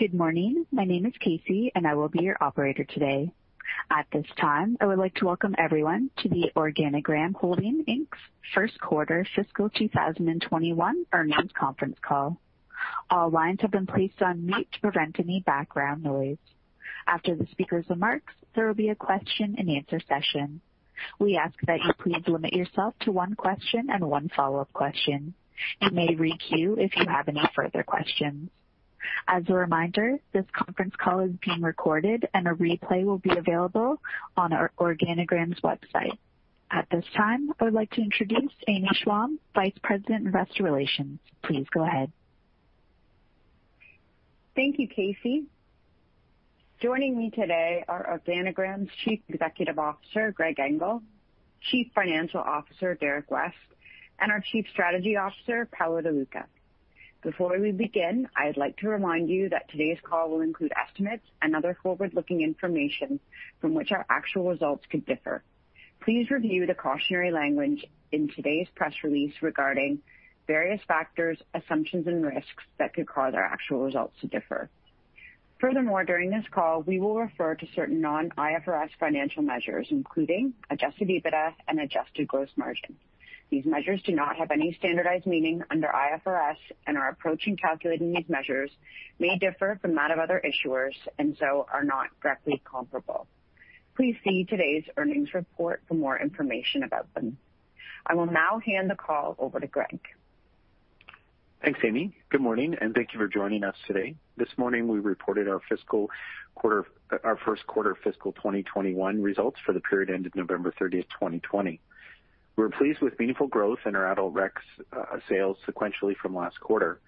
Good morning. My name is Casey, and I will be your operator today. At this time, I would like to welcome everyone to the Organigram Holdings Inc.'s Q1 fiscal 2021 earnings conference call. All lines have been placed on mute to prevent any background noise. After the speaker's remarks, there will be a question and answer session. We ask that you please limit yourself to one question and one follow-up question. You may re-queue if you have any further questions. As a reminder, this conference call is being recorded and a replay will be available on our Organigram's website. At this time, I would like to introduce Amy Schwalm, Vice President, Investor Relations. Please go ahead. Thank you, Casey. Joining me today are Organigram's Chief Executive Officer, Greg Engel, Chief Financial Officer, Derrick West, and our Chief Strategy Officer, Paolo De Luca. Before we begin, I'd like to remind you that today's call will include estimates and other forward-looking information from which our actual results could differ. Please review the cautionary language in today's press release regarding various factors, assumptions, and risks that could cause our actual results to differ. Furthermore, during this call, we will refer to certain non-IFRS financial measures, including adjusted EBITDA and adjusted gross margin. These measures do not have any standardized meaning under IFRS, and our approach in calculating these measures may differ from that of other issuers and so are not directly comparable. Please see today's earnings report for more information about them. I will now hand the call over to Greg. Thanks, Amy. Good morning, and thank you for joining us today. This morning, we reported our fiscal quarter, our Q1 fiscal 2021 results for the period ended 13 November, 2020. We're pleased with meaningful growth in our adult rec sales sequentially from last quarter.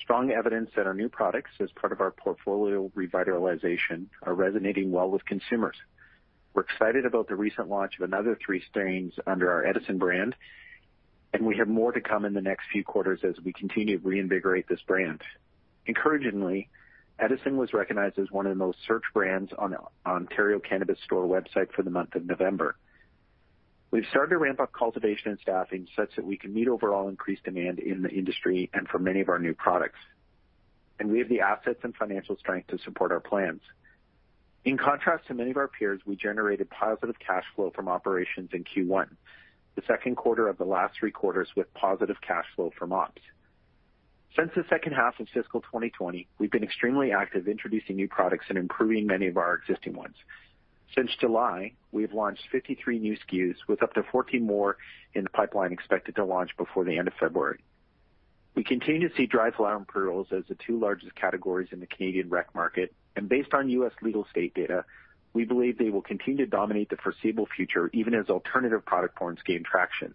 Strong evidence that our new products, as part of our portfolio revitalization, are resonating well with consumers. We're excited about the recent launch of another three strains under our Edison brand, and we have more to come in the next few quarters as we continue to reinvigorate this brand. Encouragingly, Edison was recognized as one of the most searched brands on the Ontario Cannabis Store website for the month of November. We've started to ramp up cultivation and staffing such that we can meet overall increased demand in the industry and for many of our new products, and we have the assets and financial strength to support our plans. In contrast to many of our peers, we generated positive cash flow from operations in Q1, the Q2 of the last three quarters with positive cash flow from ops. Since the second half of fiscal 2020, we've been extremely active introducing new products and improving many of our existing ones. Since July, we have launched 53 new SKUs, with up to fourteen more in the pipeline expected to launch before the end of February. We continue to see dry flower and pre-rolls as the two largest categories in the Canadian rec market, and based on US legal state data, we believe they will continue to dominate the foreseeable future, even as alternative product forms gain traction.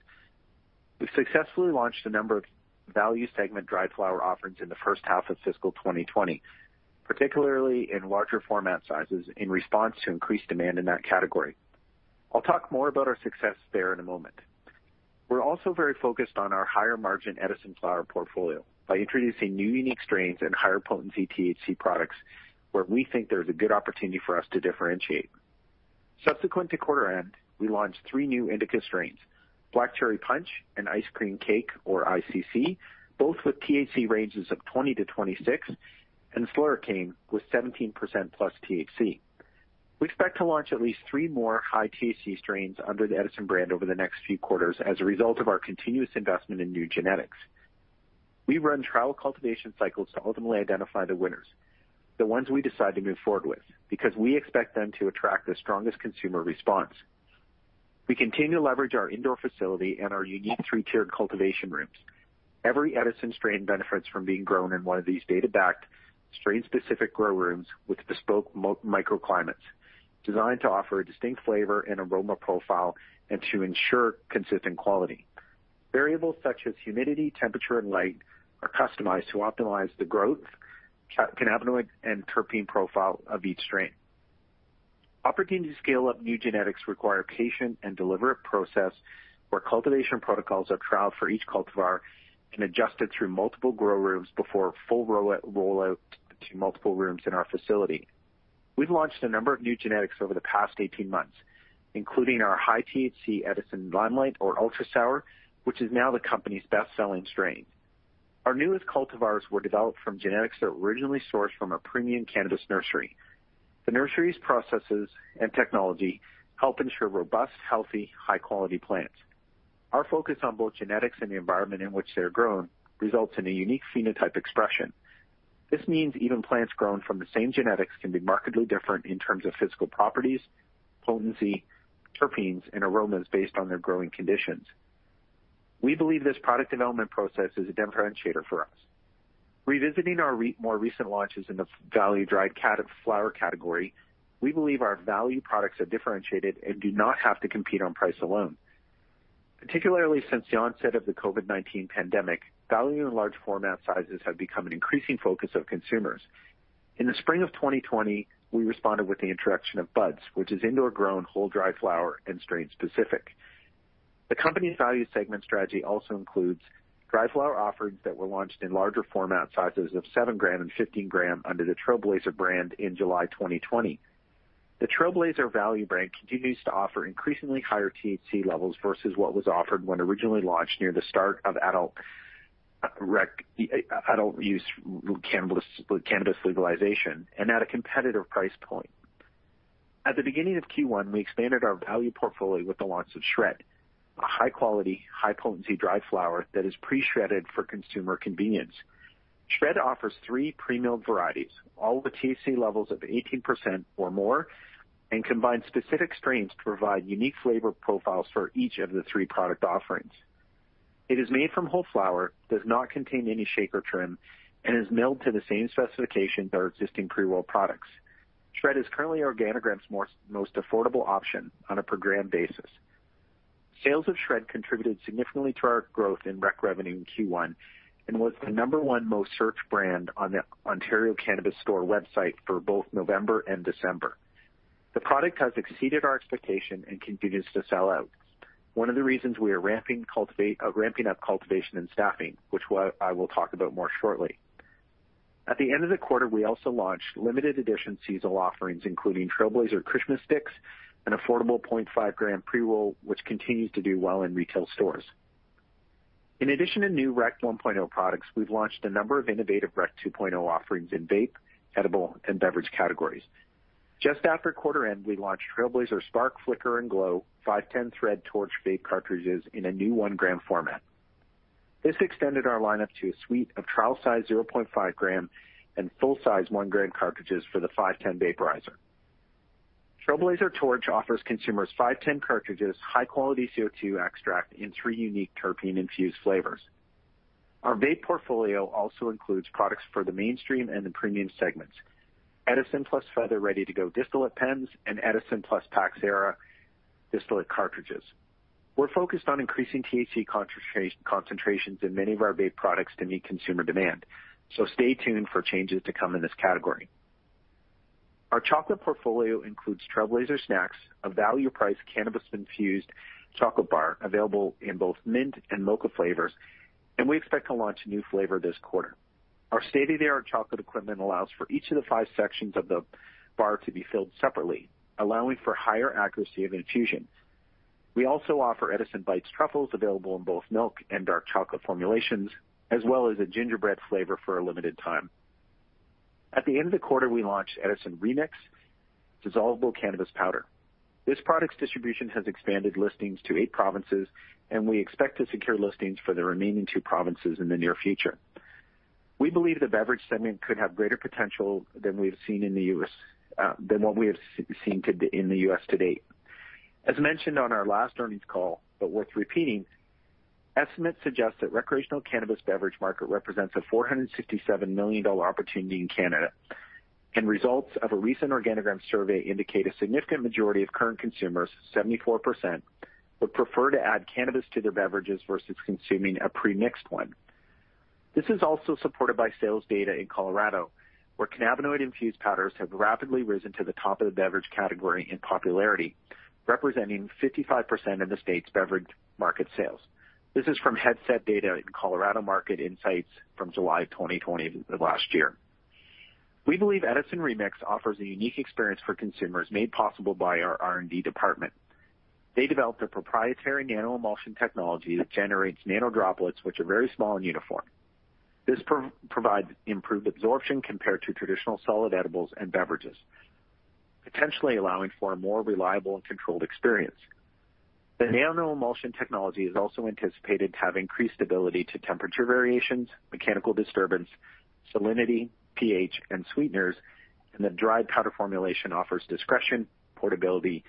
We've successfully launched a number of value segment dry flower offerings in the first half of fiscal 2020, particularly in larger format sizes, in response to increased demand in that category. I'll talk more about our success there in a moment. We're also very focused on our higher-margin Edison flower portfolio by introducing new unique strains and higher potency THC products, where we think there's a good opportunity for us to differentiate. Subsequent to quarter end, we launched three new indica strains, Black Cherry Punch and Ice Cream Cake, or ICC, both with THC ranges of 20%-26%, and Slurricane with 17%+ THC. We expect to launch at least three more high THC strains under the Edison brand over the next few quarters as a result of our continuous investment in new genetics. We run trial cultivation cycles to ultimately identify the winners, the ones we decide to move forward with, because we expect them to attract the strongest consumer response. We continue to leverage our indoor facility and our unique three-tiered cultivation rooms. Every Edison strain benefits from being grown in one of these data-backed, strain-specific grow rooms with bespoke microclimates, designed to offer a distinct flavor and aroma profile and to ensure consistent quality. Variables such as humidity, temperature, and light are customized to optimize the growth, cannabinoid and terpene profile of each strain. Opportunity to scale up new genetics require patient and deliberate process, where cultivation protocols are trialed for each cultivar and adjusted through multiple grow rooms before full rollout to multiple rooms in our facility. We've launched a number of new genetics over the past eighteen months, including our high THC Edison Limelight or Ultra Sour, which is now the company's best-selling strain. Our newest cultivars were developed from genetics that were originally sourced from a premium cannabis nursery. The nursery's processes and technology help ensure robust, healthy, high-quality plants. Our focus on both genetics and the environment in which they are grown results in a unique phenotype expression. This means even plants grown from the same genetics can be markedly different in terms of physical properties, potency, terpenes, and aromas based on their growing conditions. We believe this product development process is a differentiator for us. Revisiting our more recent launches in the value dried flower category, we believe our value products are differentiated and do not have to compete on price alone. Particularly since the onset of the COVID-19 pandemic, value and large format sizes have become an increasing focus of consumers. In the spring of 2020, we responded with the introduction of Buds, which is indoor-grown, whole dried flower and strain-specific. The company's value segment strategy also includes dried flower offerings that were launched in larger format sizes of 7-gram and 15-gram under the Trailblazer brand in July 2020. The Trailblazer value brand continues to offer increasingly higher THC levels versus what was offered when originally launched near the start of adult use cannabis legalization, and at a competitive price point. At the beginning of Q1, we expanded our value portfolio with the launch of SHRED, a high quality, high potency dry flower that is pre-shredded for consumer convenience. SHRED offers three pre-milled varieties, all with THC levels of 18% or more, and combines specific strains to provide unique flavor profiles for each of the three product offerings. It is made from whole flower, does not contain any shake or trim, and is milled to the same specifications as our existing pre-rolled products. SHRED is currently Organigram's most affordable option on a per gram basis. Sales of SHRED contributed significantly to our growth in rec revenue in Q1, and was the number one most searched brand on the Ontario Cannabis Store website for both November and December. The product has exceeded our expectation and continues to sell out. One of the reasons we are ramping up cultivation and staffing, which I will talk about more shortly. At the end of the quarter, we also launched limited edition seasonal offerings, including Trailblazer Christmas Sticks, an affordable 0.5 gram pre-roll, which continues to do well in retail stores. In addition to new Rec 1.0 products, we've launched a number of innovative Rec 2.0 offerings in vape, edible, and beverage categories. Just after quarter end, we launched Trailblazer Spark, Flicker and Glow 510 thread Torch vape cartridges in a new 1 gram format. This extended our lineup to a suite of trial size 0.5 gram and full-size 1 gram cartridges for the 510 vaporizer. Trailblazer Torch offers consumers 510 cartridges, high quality CO2 extract in three unique terpene-infused flavors. Our vape portfolio also includes products for the mainstream and the premium segments. Edison plus Feather ready to go distillate pens and Edison + PAX Era distillate cartridges. We're focused on increasing THC concentrations in many of our vape products to meet consumer demand, so stay tuned for changes to come in this category. Our chocolate portfolio includes Trailblazer Snax, a value-priced, cannabis-infused chocolate bar available in both mint and mocha flavors, and we expect to launch a new flavor this quarter. Our state-of-the-art chocolate equipment allows for each of the five sections of the bar to be filled separately, allowing for higher accuracy of infusion. We also offer Edison Bytes truffles, available in both milk and dark chocolate formulations, as well as a gingerbread flavor for a limited time. At the end of the quarter, we launched Edison Remix dissolvable cannabis powder. This product's distribution has expanded listings to eight provinces, and we expect to secure listings for the remaining two provinces in the near future. We believe the beverage segment could have greater potential than we've seen in the U.S., than what we have seen to date in the U.S. As mentioned on our last earnings call, but worth repeating, estimates suggest that recreational cannabis beverage market represents a 467 million dollar opportunity in Canada, and results of a recent Organigram survey indicate a significant majority of current consumers, 74%, would prefer to add cannabis to their beverages versus consuming a pre-mixed one. This is also supported by sales data in Colorado, where cannabinoid-infused powders have rapidly risen to the top of the beverage category in popularity, representing 55% of the state's beverage market sales. This is from Headset data in Colorado Market Insights from July of 2020, of last year. We believe Edison Remix offers a unique experience for consumers, made possible by our R&D department. They developed a proprietary nano-emulsion technology that generates nano-droplets, which are very small and uniform. This provides improved absorption compared to traditional solid edibles and beverages, potentially allowing for a more reliable and controlled experience. The nano-emulsion technology is also anticipated to have increased ability to temperature variations, mechanical disturbance, salinity, pH, and sweeteners, and the dried powder formulation offers discretion, portability,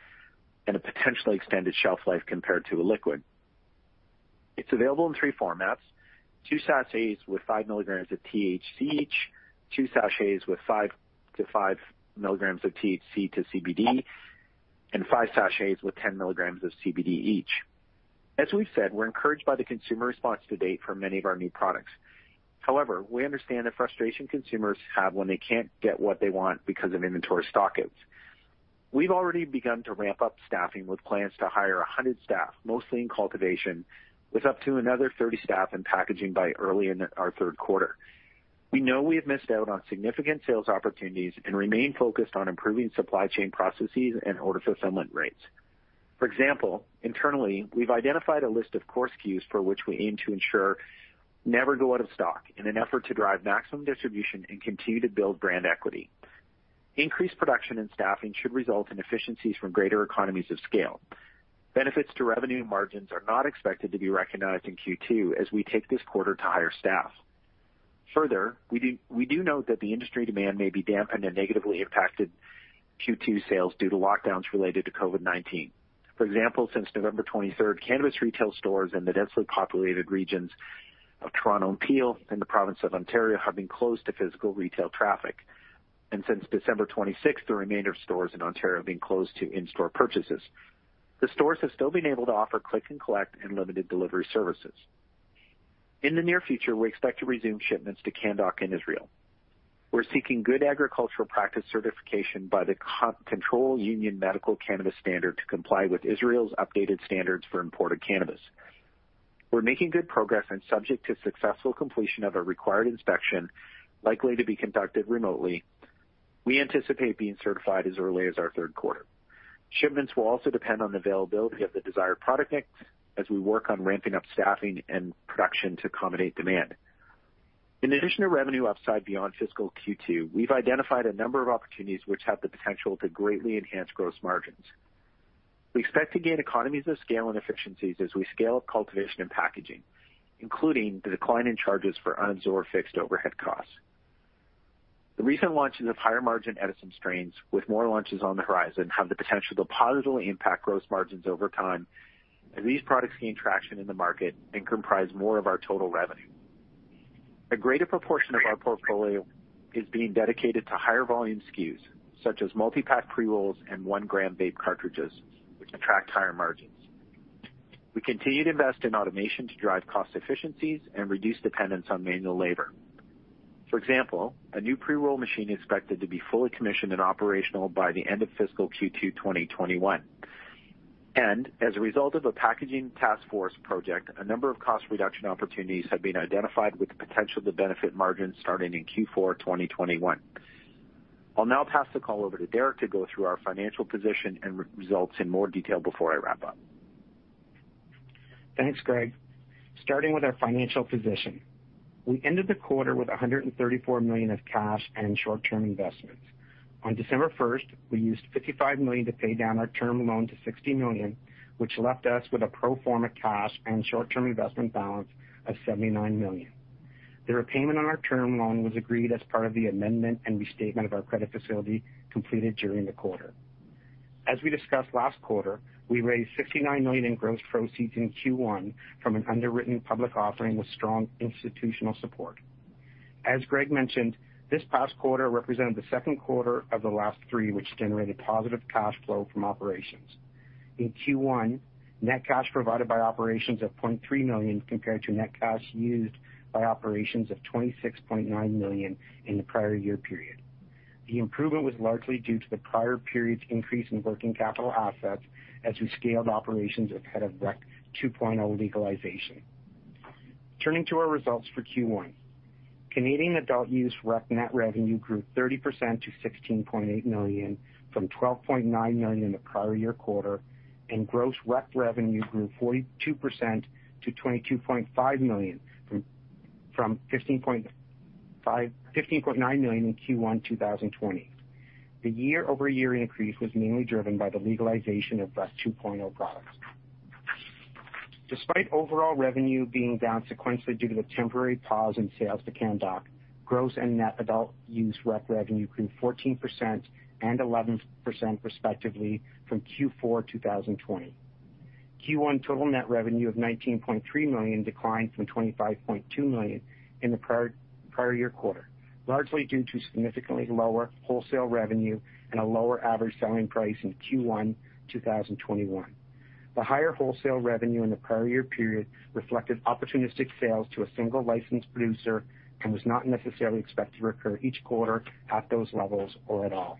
and a potentially extended shelf life compared to a liquid. It's available in three formats: two sachets with five milligrams of THC each, two sachets with five to five milligrams of THC to CBD, and five sachets with ten milligrams of CBD each. As we've said, we're encouraged by the consumer response to date for many of our new products. However, we understand the frustration consumers have when they can't get what they want because of inventory stockouts. We've already begun to ramp up staffing with plans to hire a hundred staff, mostly in cultivation, with up to another thirty staff in packaging by early in our third quarter. We know we have missed out on significant sales opportunities and remain focused on improving supply chain processes and order fulfillment rates. For example, internally, we've identified a list of core SKUs for which we aim to ensure never go out of stock in an effort to drive maximum distribution and continue to build brand equity. Increased production and staffing should result in efficiencies from greater economies of scale. Benefits to revenue and margins are not expected to be recognized in Q2 as we take this quarter to hire staff. Further, we do note that the industry demand may be dampened and negatively impacted Q2 sales due to lockdowns related to COVID-19. For example, since November 23, cannabis retail stores in the densely populated regions of Toronto and Peel in the province of Ontario have been closed to physical retail traffic. And since December 26, the remainder of stores in Ontario have been closed to in-store purchases. The stores have still been able to offer click and collect and limited delivery services. In the near future, we expect to resume shipments to Canndoc in Israel. We're seeking good agricultural practice certification by the Control Union Medical Cannabis Standard to comply with Israel's updated standards for imported cannabis. We're making good progress, and subject to successful completion of a required inspection, likely to be conducted remotely, we anticipate being certified as early as our third quarter. Shipments will also depend on the availability of the desired product mix as we work on ramping up staffing and production to accommodate demand. In addition to revenue upside beyond fiscal Q2, we've identified a number of opportunities which have the potential to greatly enhance gross margins. We expect to gain economies of scale and efficiencies as we scale up cultivation and packaging, including the decline in charges for unabsorbed fixed overhead costs. The recent launches of higher-margin Edison strains, with more launches on the horizon, have the potential to positively impact gross margins over time as these products gain traction in the market and comprise more of our total revenue. A greater proportion of our portfolio is being dedicated to higher volume SKUs, such as multi-pack pre-rolls and one-gram vape cartridges, which attract higher margins. We continue to invest in automation to drive cost efficiencies and reduce dependence on manual labor. For example, a new pre-roll machine is expected to be fully commissioned and operational by the end of fiscal Q2 2021, and as a result of a packaging task force project, a number of cost reduction opportunities have been identified with the potential to benefit margins starting in Q4 2021. I'll now pass the call over to Derrick to go through our financial position and results in more detail before I wrap up. Thanks, Greg. Starting with our financial position, we ended the quarter with 134 million of cash and short-term investments. On December first, we used 55 million to pay down our term loan to 60 million, which left us with a pro forma cash and short-term investment balance of 79 million. The repayment on our term loan was agreed as part of the amendment and restatement of our credit facility completed during the quarter. As we discussed last quarter, we raised 69 million in gross proceeds in Q1 from an underwritten public offering with strong institutional support. As Greg mentioned, this past quarter represented the Q2 of the last three, which generated positive cash flow from operations. In Q1, net cash provided by operations of 0.3 million, compared to net cash used by operations of 26.9 million in the prior year period. The improvement was largely due to the prior period's increase in working capital assets as we scaled operations ahead of Rec 2.0 legalization. Turning to our results for Q1. Canadian adult use rec net revenue grew 30% to 16.8 million, from 12.9 million in the prior year quarter, and gross rec revenue grew 42% to 22.5 million, from 15.9 million in Q1 2020. The year-over-year increase was mainly driven by the legalization of Rec 2.0 products. Despite overall revenue being down sequentially due to the temporary pause in sales to Canndoc, gross and net adult use rec revenue grew 14% and 11%, respectively, from Q4 2020. Q1 total net revenue of 19.3 million declined from 25.2 million in the prior, prior year quarter, largely due to significantly lower wholesale revenue and a lower average selling price in Q1 2021. The higher wholesale revenue in the prior year period reflected opportunistic sales to a single licensed producer and was not necessarily expected to recur each quarter at those levels or at all.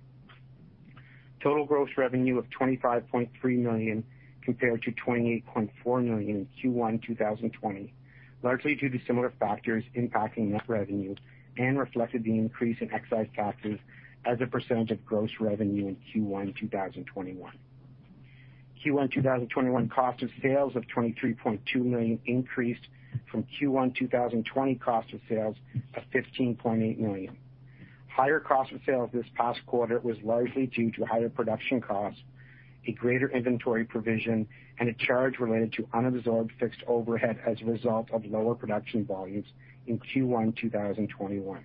Total gross revenue of 25.3 million, compared to 28.4 million in Q1 2020, largely due to similar factors impacting net revenue and reflected the increase in excise taxes as a percentage of gross revenue in Q1 2021. Q1 2021 cost of sales of 23.2 million increased from Q1 2020 cost of sales of 15.8 million. Higher cost of sales this past quarter was largely due to higher production costs, a greater inventory provision, and a charge related to unabsorbed fixed overhead as a result of lower production volumes in Q1 2021.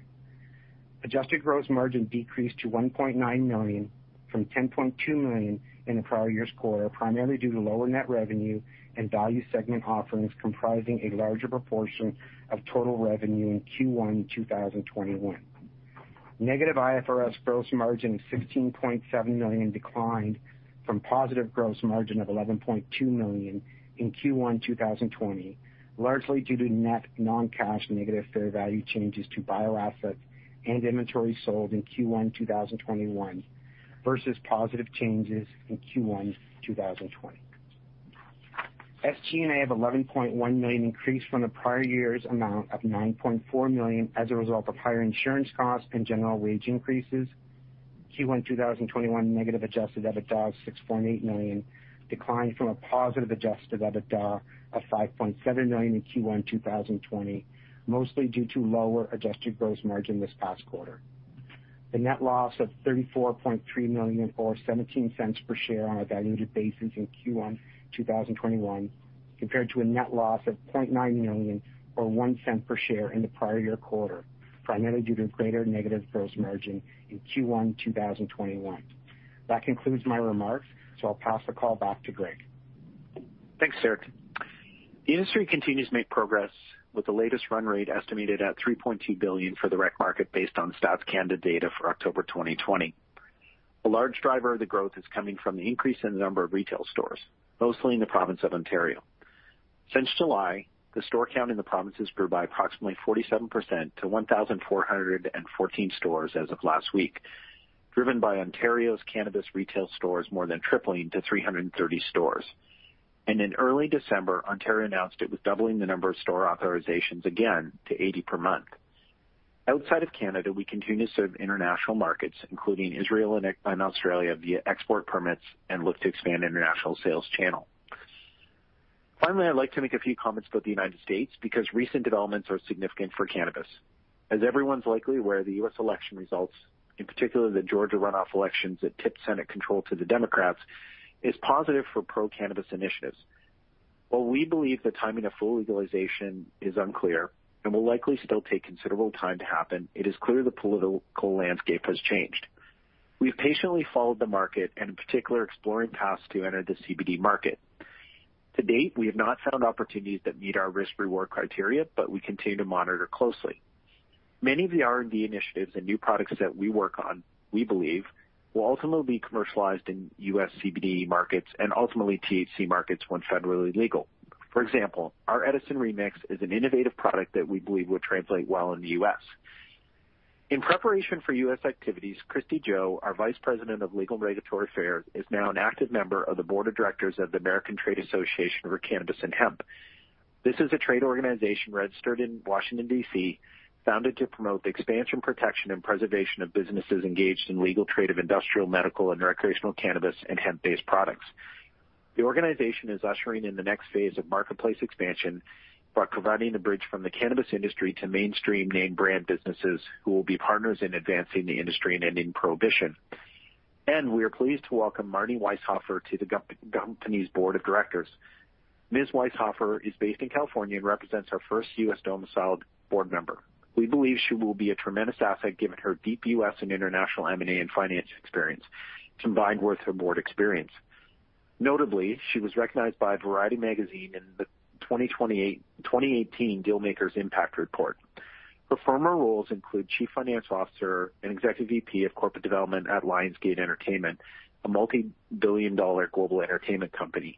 Adjusted gross margin decreased to 1.9 million from 10.2 million in the prior year's quarter, primarily due to lower net revenue and value segment offerings comprising a larger proportion of total revenue in Q1 2021. Negative IFRS gross margin of 16.7 million declined from positive gross margin of 11.2 million in Q1 2020, largely due to net non-cash negative fair value changes to bioassets and inventory sold in Q1 2021 versus positive changes in Q1 2020. SG&A of 11.1 million increased from the prior year's amount of 9.4 million as a result of higher insurance costs and general wage increases. Q1 2021 negative adjusted EBITDA of 6.8 million declined from a positive adjusted EBITDA of 5.7 million in Q1 2020, mostly due to lower adjusted gross margin this past quarter. The net loss of 34.3 million, or 17 cents per share on a diluted basis in Q1 2021, compared to a net loss of 0.9 million, or 1 cent per share in the prior year quarter, primarily due to greater negative gross margin in Q1 2021. That concludes my remarks, so I'll pass the call back to Greg. Thanks, Derrick. The industry continues to make progress, with the latest run rate estimated at 3.2 billion for the rec market based on Stats Canada data for October 2020. A large driver of the growth is coming from the increase in the number of retail stores, mostly in the province of Ontario. Since July, the store count in the province has grew by approximately 47% to 1,414 stores as of last week, driven by Ontario's cannabis retail stores more than tripling to 330 stores. In early December, Ontario announced it was doubling the number of store authorizations again to 80 per month. Outside of Canada, we continue to serve international markets, including Israel and Australia, via export permits and look to expand international sales channel. Finally, I'd like to make a few comments about the United States, because recent developments are significant for cannabis. As everyone's likely aware, the U.S. election results, in particular, the Georgia runoff elections that tipped Senate control to the Democrats, is positive for pro-cannabis initiatives. While we believe the timing of full legalization is unclear and will likely still take considerable time to happen, it is clear the political landscape has changed. We've patiently followed the market and in particular, exploring paths to enter the CBD market. To date, we have not found opportunities that meet our risk-reward criteria, but we continue to monitor closely. Many of the R&D initiatives and new products that we work on, we believe, will ultimately be commercialized in U.S. CBD markets and ultimately THC markets, when federally legal. For example, our Edison Remix is an innovative product that we believe will translate well in the U.S. In preparation for U.S. activities, Christie-Jo, our Vice President of Legal and Regulatory Affairs, is now an active member of the board of directors of the American Trade Association for Cannabis and Hemp. This is a trade organization registered in Washington, D.C., founded to promote the expansion, protection, and preservation of businesses engaged in legal trade of industrial, medical, and recreational cannabis and hemp-based products. The organization is ushering in the next phase of marketplace expansion by providing the bridge from the cannabis industry to mainstream name brand businesses, who will be partners in advancing the industry and ending prohibition. And we are pleased to welcome Marni Wieshofer to the company's board of directors. Ms. Wieshofer is based in California and represents our first U.S. domiciled board member. We believe she will be a tremendous asset, given her deep U.S. and international M&A and finance experience, combined with her board experience. Notably, she was recognized by Variety Magazine in the 2018 Dealmakers Impact Report. Her former roles include Chief Finance Officer and Executive VP of corporate development at Lionsgate Entertainment, a multi-billion dollar global entertainment company.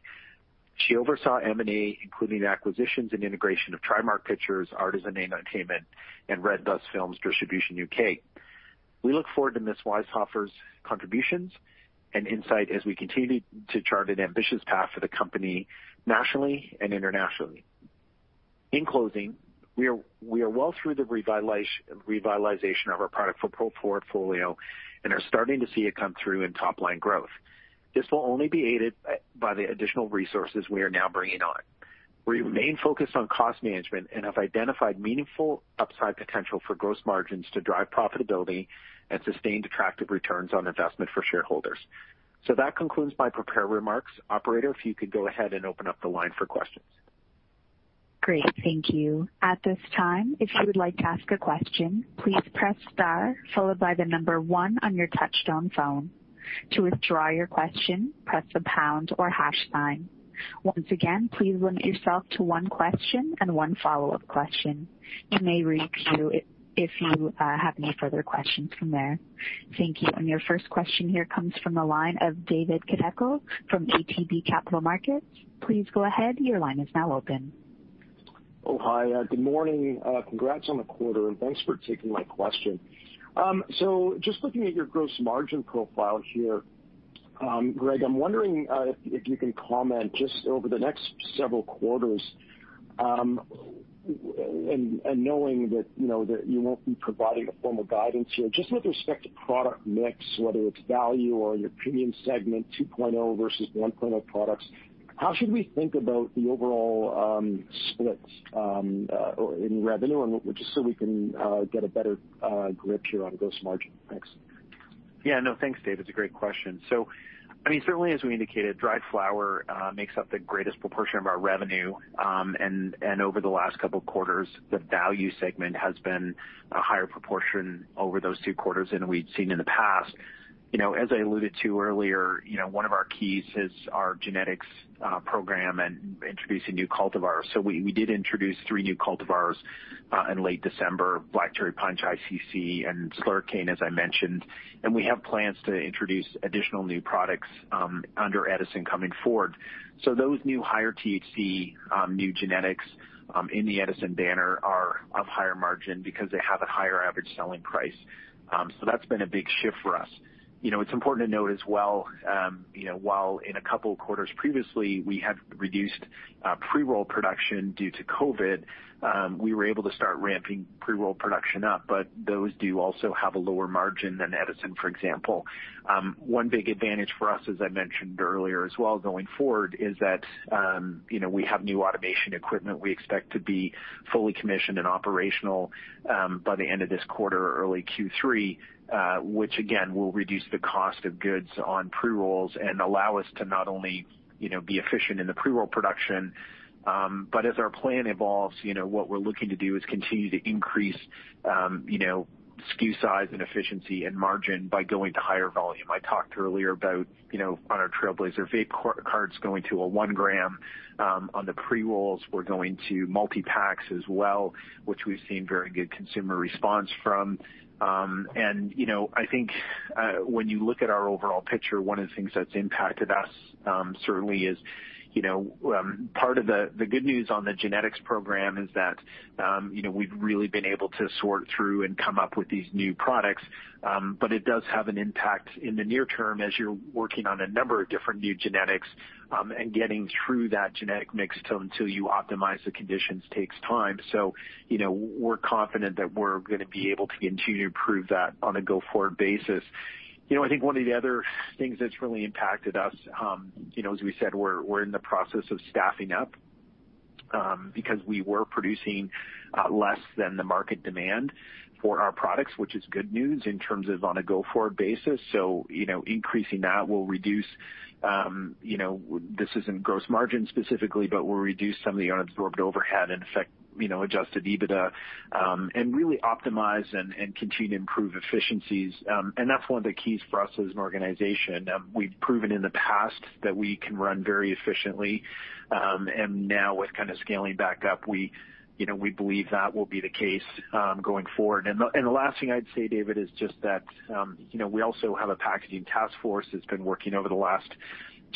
She oversaw M&A, including the acquisitions and integration of Trimark Pictures, Artisan Entertainment, and Redbus Films Distribution UK. We look forward to Ms. Wieshofer's contributions and insight as we continue to chart an ambitious path for the company, nationally and internationally. In closing, we are well through the revitalization of our product portfolio and are starting to see it come through in top line growth. This will only be aided by the additional resources we are now bringing on. We remain focused on cost management and have identified meaningful upside potential for gross margins to drive profitability and sustained attractive returns on investment for shareholders. So that concludes my prepared remarks. Operator, if you could go ahead and open up the line for questions? Great, thank you. At this time, if you would like to ask a question, please press star followed by the number one on your touchtone phone. To withdraw your question, press the pound or hash sign. Once again, please limit yourself to one question and one follow-up question. You may re-queue if you have any further questions from there. Thank you. And your first question here comes from the line of David Kideckel from ATB Capital Markets. Please go ahead. Your line is now open. Oh, hi, good morning. Congrats on the quarter, and thanks for taking my question. So just looking at your gross margin profile here, Greg, I'm wondering, if you can comment just over the next several quarters, and knowing that, you know, that you won't be providing a formal guidance here, just with respect to product mix, whether it's value or in your premium segment, two point zero versus one point zero products, how should we think about the overall, splits in revenue and just so we can get a better grip here on gross margin? Thanks. Yeah. No, thanks, Dave. It's a great question. So, I mean, certainly, as we indicated, dried flower makes up the greatest proportion of our revenue. And over the last couple of quarters, the value segment has been a higher proportion over those two quarters than we'd seen in the past. You know, as I alluded to earlier, you know, one of our keys is our genetics program and introducing new cultivars. So we did introduce three new cultivars in late December, Black Cherry Punch, ICC, and Slurricane, as I mentioned, and we have plans to introduce additional new products under Edison coming forward. So those new higher THC new genetics in the Edison banner are of higher margin because they have a higher average selling price. So that's been a big shift for us. You know, it's important to note as well, you know, while in a couple of quarters previously, we have reduced pre-roll production due to COVID, we were able to start ramping pre-roll production up, but those do also have a lower margin than Edison, for example. One big advantage for us, as I mentioned earlier as well going forward, is that, you know, we have new automation equipment we expect to be fully commissioned and operational by the end of this quarter or early Q3. Which again, will reduce the cost of goods on pre-rolls and allow us to not only, you know, be efficient in the pre-roll production, but as our plan evolves, you know, what we're looking to do is continue to increase, you know, SKU size and efficiency and margin by going to higher volume. I talked earlier about, you know, on our Trailblazer vape carts going to a one gram. On the pre-rolls, we're going to multi-packs as well, which we've seen very good consumer response from. And you know, I think, when you look at our overall picture, one of the things that's impacted us certainly is, you know, part of the good news on the genetics program is that, you know, we've really been able to sort through and come up with these new products. But it does have an impact in the near term as you're working on a number of different new genetics and getting through that genetic mix until you optimize the conditions takes time. So, you know, we're confident that we're going to be able to continue to improve that on a go-forward basis. You know, I think one of the other things that's really impacted us, you know, as we said, we're in the process of staffing up, because we were producing less than the market demand for our products, which is good news in terms of on a go-forward basis. So, you know, increasing that will reduce, you know, this is in gross margin specifically, but will reduce some of the unabsorbed overhead and affect, you know, Adjusted EBITDA, and really optimize and continue to improve efficiencies. And that's one of the keys for us as an organization. We've proven in the past that we can run very efficiently, and now with kind of scaling back up, we, you know, we believe that will be the case, going forward. And the last thing I'd say, David, is just that, you know, we also have a packaging task force that's been working over the last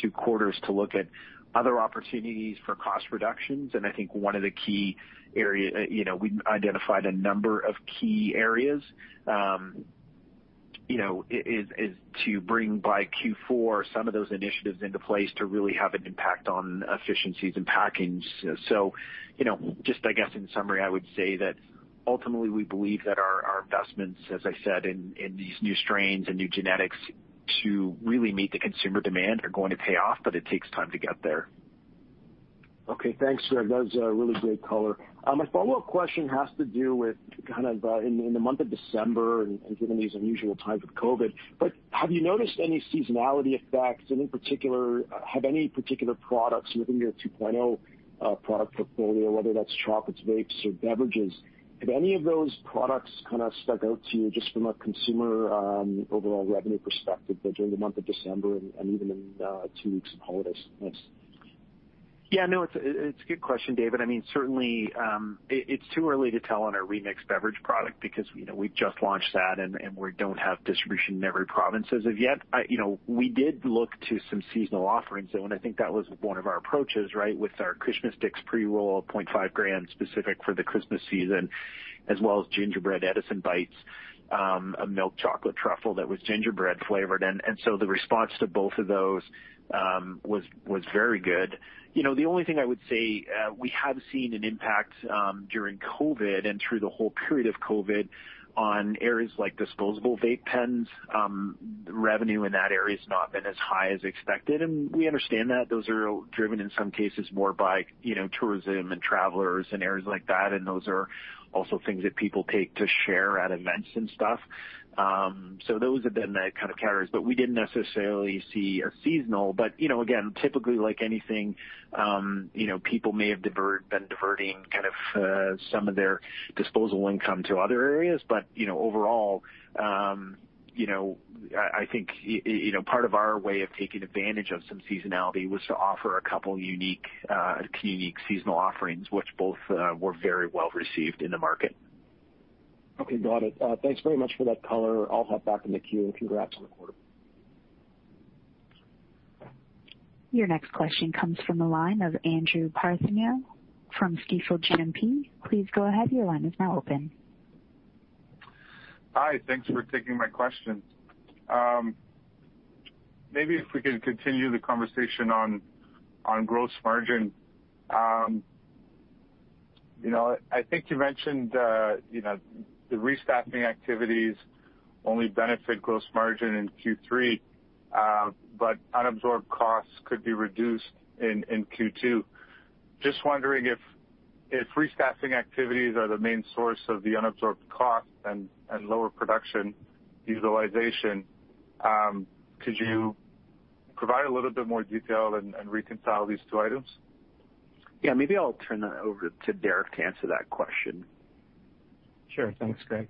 two quarters to look at other opportunities for cost reductions. And I think one of the key areas, you know, we identified a number of key areas. Is to bring by Q4 some of those initiatives into place to really have an impact on efficiencies and packaging. So, you know, just I guess in summary, I would say that ultimately, we believe that our, our investments, as I said, in, in these new strains and new genetics to really meet the consumer demand, are going to pay off, but it takes time to get there. Okay, thanks, Greg. That's a really great color. My follow-up question has to do with kind of in the month of December and given these unusual times with COVID, but have you noticed any seasonality effects, and in particular, have any particular products within your two point O product portfolio, whether that's chocolates, vapes or beverages, have any of those products kind of stuck out to you just from a consumer overall revenue perspective there during the month of December and even in two weeks of holidays? Thanks. Yeah, no, it's a good question, David. I mean, certainly, it's too early to tell on our Remix Beverage product because, you know, we've just launched that and we don't have distribution in every province as of yet. You know, we did look to some seasonal offerings, and I think that was one of our approaches, right? With our Christmas Sticks pre-roll 0.5 grams, specific for the Christmas season, as well as Gingerbread Edison Bytes, a milk chocolate truffle that was gingerbread flavored. And so the response to both of those was very good. You know, the only thing I would say, we have seen an impact during COVID and through the whole period of COVID on areas like disposable vape pens. Revenue in that area has not been as high as expected, and we understand that. Those are driven, in some cases, more by, you know, tourism and travelers and areas like that, and those are also things that people take to share at events and stuff. So those have been the kind of carriers, but we didn't necessarily see a seasonal. But, you know, again, typically, like anything, you know, people may have been diverting kind of some of their disposable income to other areas. But, you know, overall, you know, I think you know, part of our way of taking advantage of some seasonality was to offer a couple unique seasonal offerings, which both were very well received in the market. Okay, got it. Thanks very much for that color. I'll hop back in the queue, and congrats on the quarter. Your next question comes from the line of Andrew Partheniou from Stifel GMP. Please go ahead. Your line is now open. Hi, thanks for taking my question. Maybe if we could continue the conversation on gross margin. You know, I think you mentioned, you know, the restaffing activities only benefit gross margin in Q3, but unabsorbed costs could be reduced in Q2. Just wondering if restaffing activities are the main source of the unabsorbed costs and lower production utilization, could you provide a little bit more detail and reconcile these two items? Yeah, maybe I'll turn that over to Derrick to answer that question. Sure. Thanks, Greg.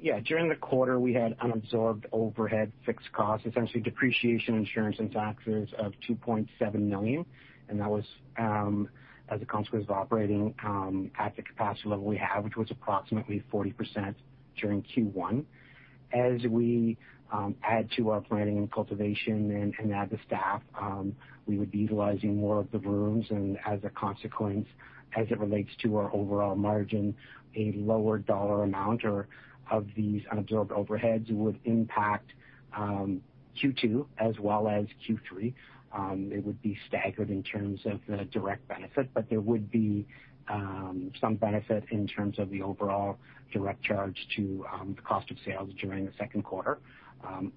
Yeah, during the quarter, we had unabsorbed overhead fixed costs, essentially depreciation, insurance, and taxes of 2.7 million, and that was, as a consequence of operating, at the capacity level we have, which was approximately 40% during Q1. As we, add to our planning and cultivation and add the staff, we would be utilizing more of the rooms, and as a consequence, as it relates to our overall margin, a lower dollar amount or of these unabsorbed overheads would impact, Q2 as well as Q3. It would be staggered in terms of the direct benefit, but there would be, some benefit in terms of the overall direct charge to, the cost of sales during the Q2.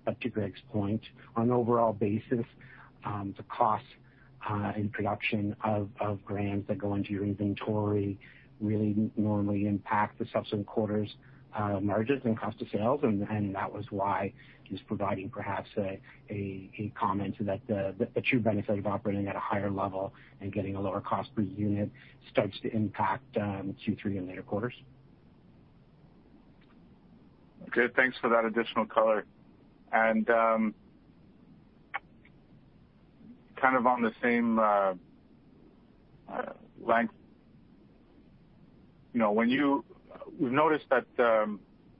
But to Greg's point, on an overall basis, the cost in production of grams that go into your inventory really normally impact the subsequent quarters, margins and cost of sales. And that was why he's providing perhaps a comment that the true benefit of operating at a higher level and getting a lower cost per unit starts to impact Q3 and later quarters. Good. Thanks for that additional color. And, kind of on the same, length, you know, when you... We've noticed that,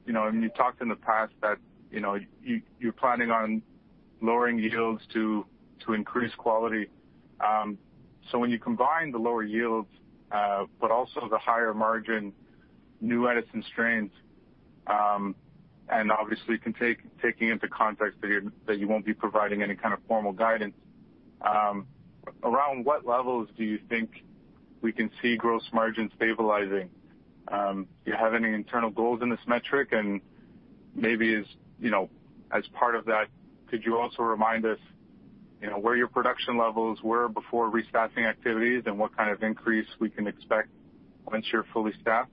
you know, and you talked in the past that, you know, you're planning on lowering yields to increase quality. So when you combine the lower yields, but also the higher margin, new Edison strains, and obviously taking into context that you won't be providing any kind of formal guidance, around what levels do you think we can see gross margin stabilizing? Do you have any internal goals in this metric? And maybe as, you know, as part of that, could you also remind us, you know, where your production levels were before restaffing activities and what kind of increase we can expect once you're fully staffed?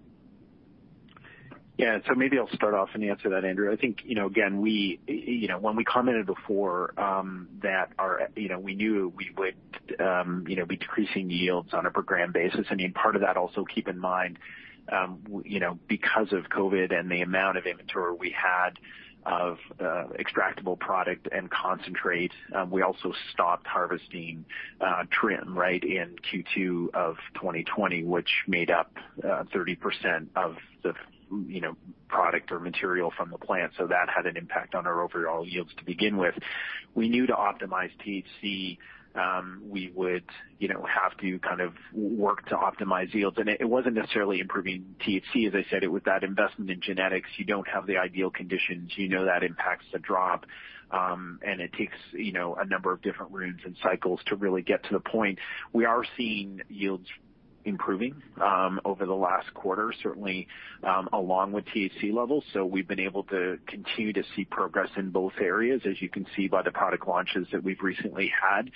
Yeah. So maybe I'll start off and answer that, Andrew. I think, you know, again, we, you know, when we commented before, that our, you know, we knew we would, you know, be decreasing yields on a per gram basis. I mean, part of that also, keep in mind, you know, because of COVID and the amount of inventory we had of, extractable product and concentrate, we also stopped harvesting, trim, right, in Q2 of 2020, which made up, 30% of the, you know, product or material from the plant. So that had an impact on our overall yields to begin with. We knew to optimize THC, we would, you know, have to kind of work to optimize yields. And it, it wasn't necessarily improving THC, as I said, it was that investment in genetics. You don't have the ideal conditions, you know that impacts the drop, and it takes, you know, a number of different rooms and cycles to really get to the point. We are seeing yields improving over the last quarter, certainly, along with THC levels. So we've been able to continue to see progress in both areas, as you can see by the product launches that we've recently had,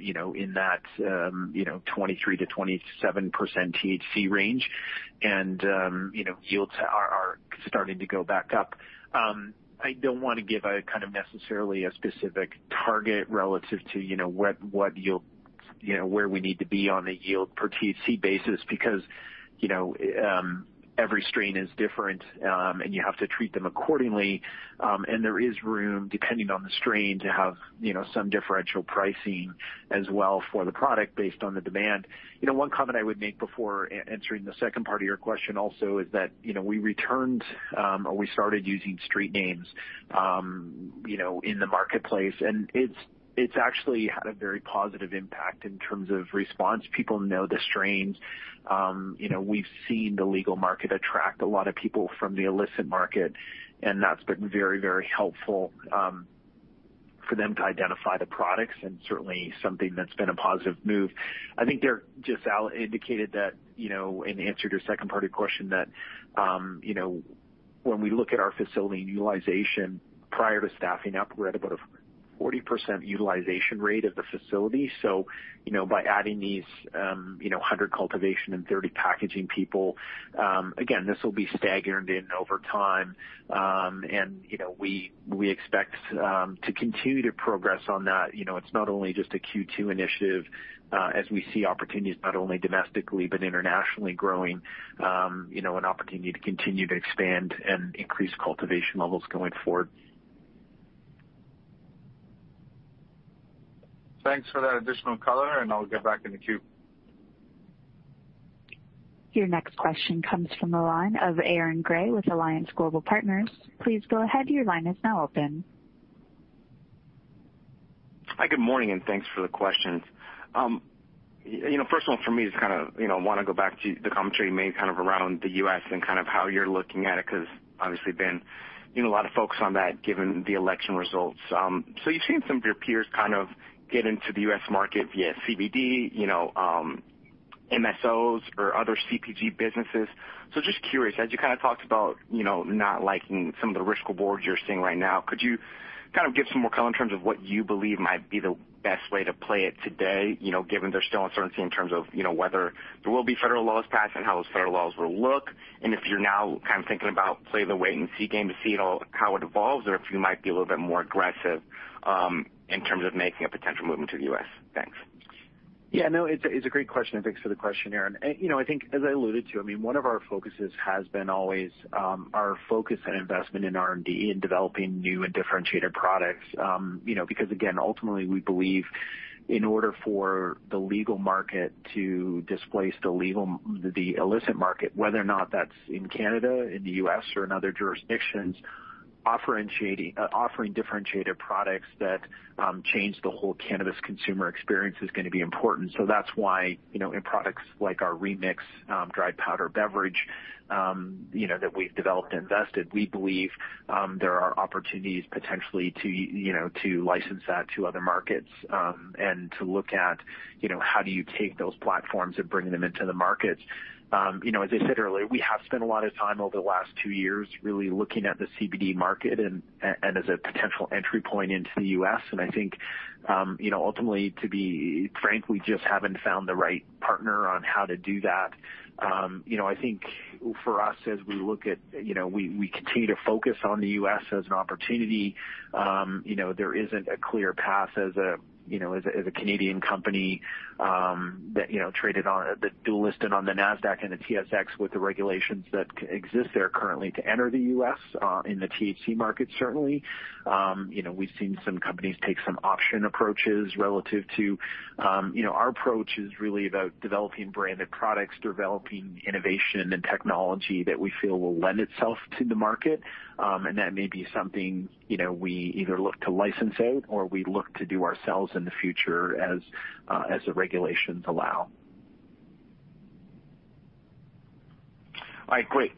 you know, in that 23%-27% THC range. And, you know, yields are starting to go back up. I don't want to give a kind of necessarily a specific target relative to, you know, what yield, you know, where we need to be on a yield per THC basis because, you know, every strain is different, and you have to treat them accordingly. And there is room, depending on the strain, to have, you know, some differential pricing as well for the product based on the demand. You know, one comment I would make before answering the second part of your question also is that, you know, we returned, or we started using street names, you know, in the marketplace, and it's actually had a very positive impact in terms of response. People know the strains. You know, we've seen the legal market attract a lot of people from the illicit market, and that's been very, very helpful, for them to identify the products and certainly something that's been a positive move. I think there, just Al indicated that, you know, in answer to your second part of your question, that, you know, when we look at our facility utilization prior to staffing up, we're at about a 40% utilization rate of the facility. So, you know, by adding these, you know, 100 cultivation and 30 packaging people, again, this will be staggered in over time. And, you know, we, we expect, to continue to progress on that. You know, it's not only just a Q2 initiative, as we see opportunities not only domestically, but internationally growing, you know, an opportunity to continue to expand and increase cultivation levels going forward. Thanks for that additional color, and I'll get back in the queue. Your next question comes from the line of Aaron Grey with Alliance Global Partners. Please go ahead. Your line is now open. Hi, good morning, and thanks for the questions. You know, first of all, for me, just kind of, you know, want to go back to the commentary you made kind of around the U.S. and kind of how you're looking at it, because obviously been, you know, a lot of focus on that given the election results. So you've seen some of your peers kind of get into the U.S. market via CBD, you know, MSOs or other CPG businesses. So just curious, as you kind of talked about, you know, not liking some of the risk/reward you're seeing right now, could you kind of give some more color in terms of what you believe might be the best way to play it today? You know, given there's still uncertainty in terms of, you know, whether there will be federal laws passed and how those federal laws will look, and if you're now kind of thinking about play the wait-and-see game to see it all, how it evolves, or if you might be a little bit more aggressive, in terms of making a potential movement to the US. Thanks. Yeah, no, it's a great question, and thanks for the question, Aaron. And, you know, I think as I alluded to, I mean, one of our focuses has been always our focus and investment in R&D, in developing new and differentiated products. You know, because again, ultimately, we believe in order for the legal market to displace the legal... the illicit market, whether or not that's in Canada, in the U.S., or in other jurisdictions, offering differentiated products that change the whole cannabis consumer experience is going to be important. So that's why, you know, in products like our Remix, dry powder beverage, you know, that we've developed and invested, we believe, there are opportunities potentially to, you know, to license that to other markets, and to look at, you know, how do you take those platforms and bring them into the markets? You know, as I said earlier, we have spent a lot of time over the last two years really looking at the CBD market and as a potential entry point into the U.S. And I think, you know, ultimately, to be frank, we just haven't found the right partner on how to do that. You know, I think for us, as we look at, you know, we continue to focus on the US as an opportunity, you know, there isn't a clear path as a, you know, as a Canadian company, that, you know, that is dual listed on the Nasdaq and the TSX with the regulations that exist there currently to enter the US, in the THC market, certainly. You know, we've seen some companies take some option approaches relative to. You know, our approach is really about developing branded products, developing innovation and technology that we feel will lend itself to the market, and that may be something, you know, we either look to license out or we look to do ourselves in the future as the regulations allow. All right, great.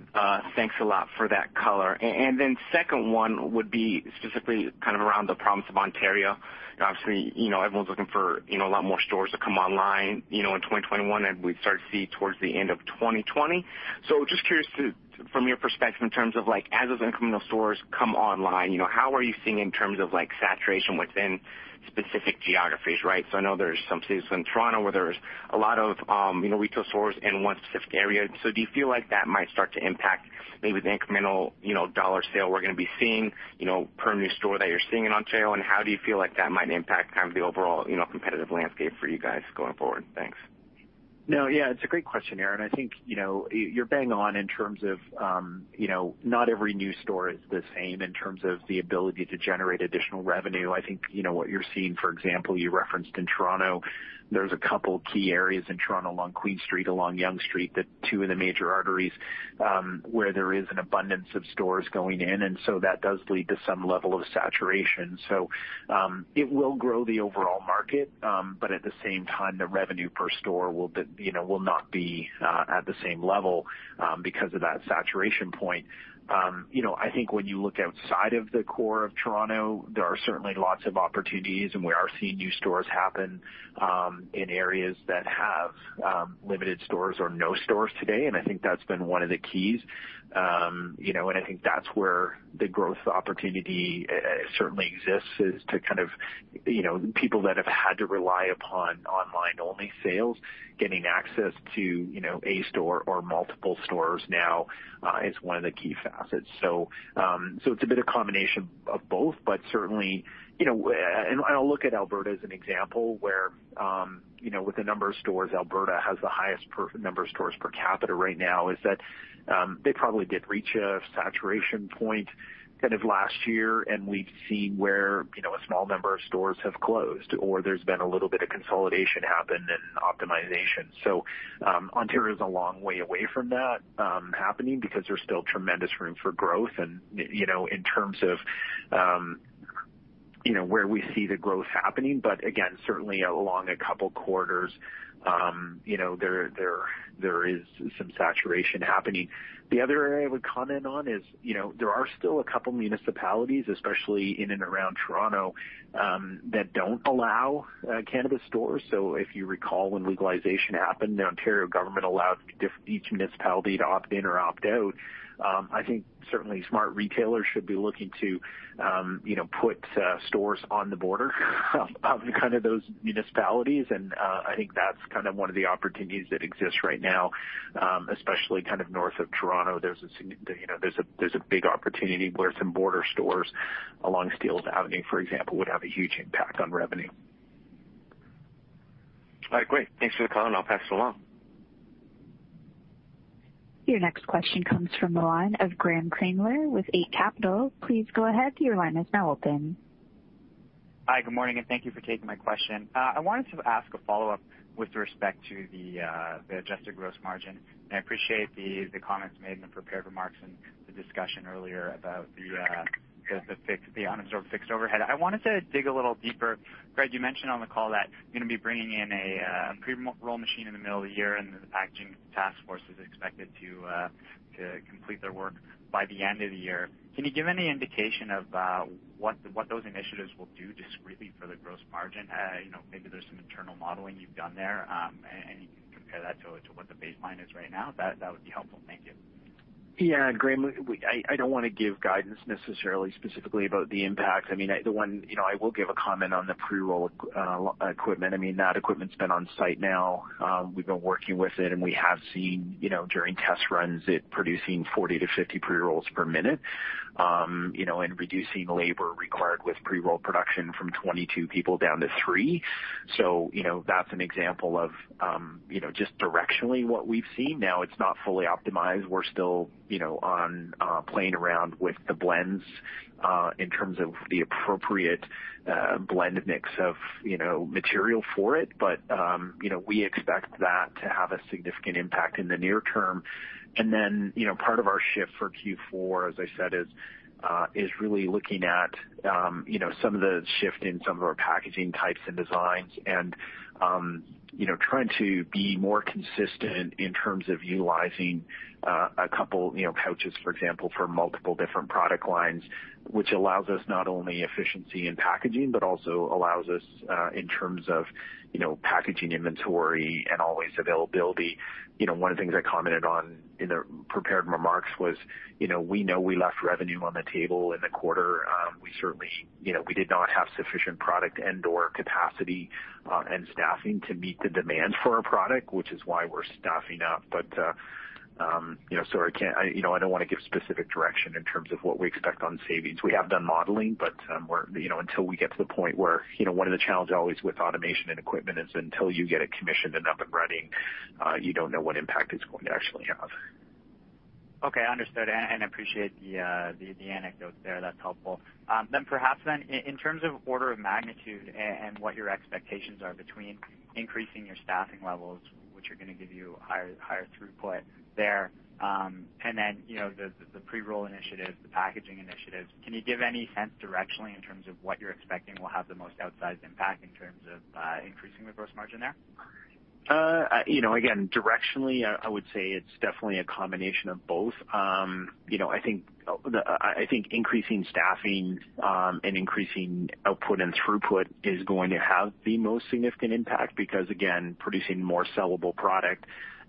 Thanks a lot for that color. And then second one would be specifically kind of around the province of Ontario. Obviously, you know, everyone's looking for, you know, a lot more stores to come online, you know, in 2021, and we start to see towards the end of 2020. So just curious to, from your perspective in terms of, like, as those incremental stores come online, you know, how are you seeing in terms of, like, saturation within specific geographies, right? So I know there's some cities in Toronto where there's a lot of, you know, retail stores in one specific area. So do you feel like that might start to impact maybe the incremental, you know, dollar sale we're gonna be seeing, you know, per new store that you're seeing in Ontario? How do you feel like that might impact kind of the overall, you know, competitive landscape for you guys going forward? Thanks. No, yeah, it's a great question, Aaron. I think, you know, you're bang on in terms of, you know, not every new store is the same in terms of the ability to generate additional revenue. I think, you know, what you're seeing, for example, you referenced in Toronto, there's a couple key areas in Toronto, along Queen Street, along Yonge Street, the two of the major arteries, where there is an abundance of stores going in, and so that does lead to some level of saturation. So, it will grow the overall market, but at the same time, the revenue per store will, you know, will not be, at the same level, because of that saturation point. You know, I think when you look outside of the core of Toronto, there are certainly lots of opportunities, and we are seeing new stores happen in areas that have limited stores or no stores today, and I think that's been one of the keys. You know, and I think that's where the growth opportunity certainly exists, is to kind of... You know, people that have had to rely upon online-only sales, getting access to, you know, a store or multiple stores now, is one of the key facets. So, it's a bit of combination of both, but certainly, you know... I'll look at Alberta as an example, where, you know, with the number of stores, Alberta has the highest number of stores per capita right now. They probably did reach a saturation point kind of last year, and we've seen where, you know, a small number of stores have closed, or there's been a little bit of consolidation happen and optimization. So, Ontario is a long way away from that happening because there's still tremendous room for growth and, you know, in terms of, you know, where we see the growth happening, but again, certainly along a couple quarters, you know, there is some saturation happening. The other area I would comment on is, you know, there are still a couple municipalities, especially in and around Toronto, that don't allow cannabis stores. So if you recall, when legalization happened, the Ontario government allowed each municipality to opt in or opt out. I think certainly smart retailers should be looking to, you know, put stores on the border of kind of those municipalities, and I think that's kind of one of the opportunities that exists right now. Especially kind of north of Toronto, you know, there's a big opportunity where some border stores along Steeles Avenue, for example, would have a huge impact on revenue. All right, great. Thanks for the call, and I'll pass it along. Your next question comes from the line of Graeme Kreindler with Eight Capital. Please go ahead. Your line is now open. Hi, good morning, and thank you for taking my question. I wanted to ask a follow-up with respect to the adjusted gross margin, and I appreciate the comments made in the prepared remarks and the discussion earlier about the unabsorbed fixed overhead. I wanted to dig a little deeper. Greg, you mentioned on the call that you're gonna be bringing in a pre-roll machine in the middle of the year, and the packaging task force is expected to complete their work by the end of the year. Can you give any indication of what those initiatives will do discretely for the gross margin? You know, maybe there's some internal modeling you've done there, and you can compare that to what the baseline is right now. That would be helpful. Thank you. Yeah, Graeme, I don't wanna give guidance necessarily specifically about the impacts. I mean, the one, you know, I will give a comment on the pre-roll equipment. I mean, that equipment's been on site now. We've been working with it, and we have seen, you know, during test runs, it producing 40-50 pre-rolls per minute, you know, and reducing labor required with pre-roll production from 22 people down to 3. So, you know, that's an example of, you know, just directionally what we've seen. Now, it's not fully optimized. We're still, you know, on, playing around with the blends, in terms of the appropriate, blend mix of, you know, material for it. But, you know, we expect that to have a significant impact in the near term. And then, you know, part of our shift for Q4, as I said, is really looking at, you know, some of the shift in some of our packaging types and designs and, you know, trying to be more consistent in terms of utilizing a couple, you know, pouches, for example, for multiple different product lines, which allows us not only efficiency in packaging, but also allows us, in terms of, you know, packaging inventory and always availability. You know, one of the things I commented on in the prepared remarks was, you know, we know we left revenue on the table in the quarter. We certainly, you know, we did not have sufficient product and/or capacity and staffing to meet the demand for our product, which is why we're staffing up. But, you know, so I can't... I, you know, I don't wanna give specific direction in terms of what we expect on savings. We have done modeling, but, we're, you know, until we get to the point where, you know, one of the challenges always with automation and equipment is until you get it commissioned and up and running, you don't know what impact it's going to actually have. Okay, understood, and appreciate the anecdote there. That's helpful. Then perhaps in terms of order of magnitude and what your expectations are between increasing your staffing levels, which are gonna give you higher throughput there, and then, you know, the pre-roll initiatives, the packaging initiatives, can you give any sense directionally in terms of what you're expecting will have the most outsized impact in terms of increasing the gross margin there? you know, again, directionally, I would say it's definitely a combination of both. You know, I think increasing staffing and increasing output and throughput is going to have the most significant impact because, again, producing more sellable product,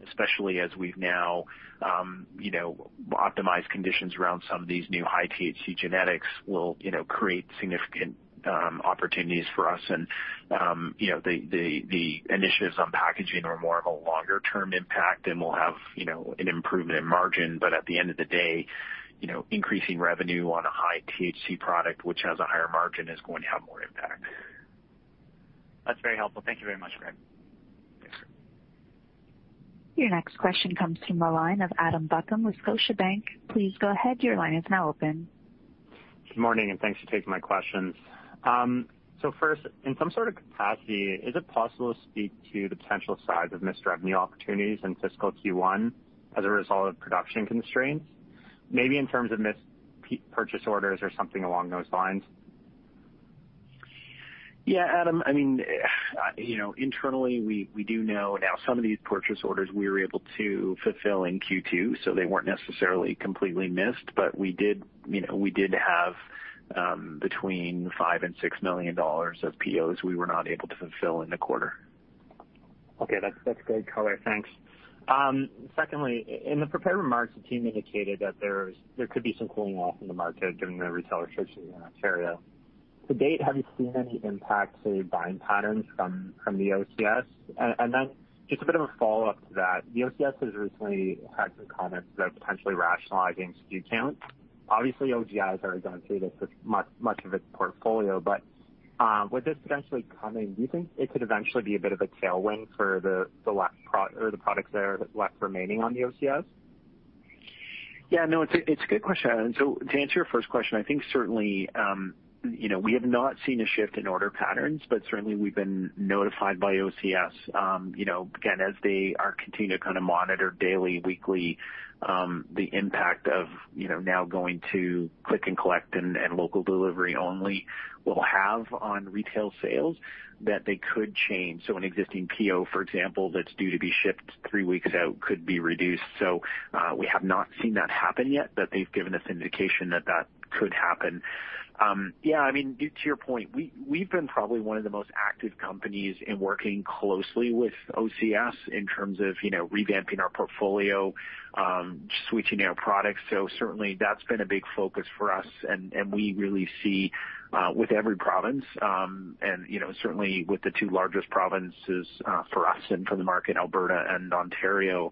especially as we've now optimized conditions around some of these new high THC genetics will create significant opportunities for us. And you know, the initiatives on packaging are more of a longer term impact and will have an improvement in margin. But at the end of the day, you know, increasing revenue on a high THC product, which has a higher margin, is going to have more impact. That's very helpful. Thank you very much, Greg. Thanks. Your next question comes from the line of Adam Buckham with Scotiabank. Please go ahead. Your line is now open. Good morning, and thanks for taking my questions. So first, in some sort of capacity, is it possible to speak to the potential size of missed revenue opportunities in fiscal Q1 as a result of production constraints, maybe in terms of missed purchase orders or something along those lines? Yeah, Adam, I mean, you know, internally, we, we do know. Now, some of these purchase orders we were able to fulfill in Q2, so they weren't necessarily completely missed, but we did, you know, we did have, between 5 million and 6 million dollars of POs we were not able to fulfill in the quarter. Okay, that's, that's great color. Thanks. Secondly, in the prepared remarks, the team indicated that there could be some cooling off in the market given the retail restrictions in Ontario. To date, have you seen any impact to buying patterns from the OCS? And then just a bit of a follow-up to that, the OCS has recently had some comments about potentially rationalizing SKU counts. Obviously, OGI has already gone through this with much of its portfolio, but with this potentially coming, do you think it could eventually be a bit of a tailwind for the products that are left remaining on the OCS? Yeah, no, it's a, it's a good question, Adam. So to answer your first question, I think certainly, you know, we have not seen a shift in order patterns, but certainly we've been notified by OCS, you know, again, as they are continuing to kind of monitor daily, weekly, the impact of, you know, now going to click and collect and local delivery only will have on retail sales, that they could change. So an existing PO, for example, that's due to be shipped three weeks out could be reduced. So, we have not seen that happen yet, but they've given us indication that that could happen. Yeah, I mean, to your point, we, we've been probably one of the most active companies in working closely with OCS in terms of, you know, revamping our portfolio, switching out products. So certainly that's been a big focus for us, and we really see with every province, and, you know, certainly with the two largest provinces, for us and for the market, Alberta and Ontario,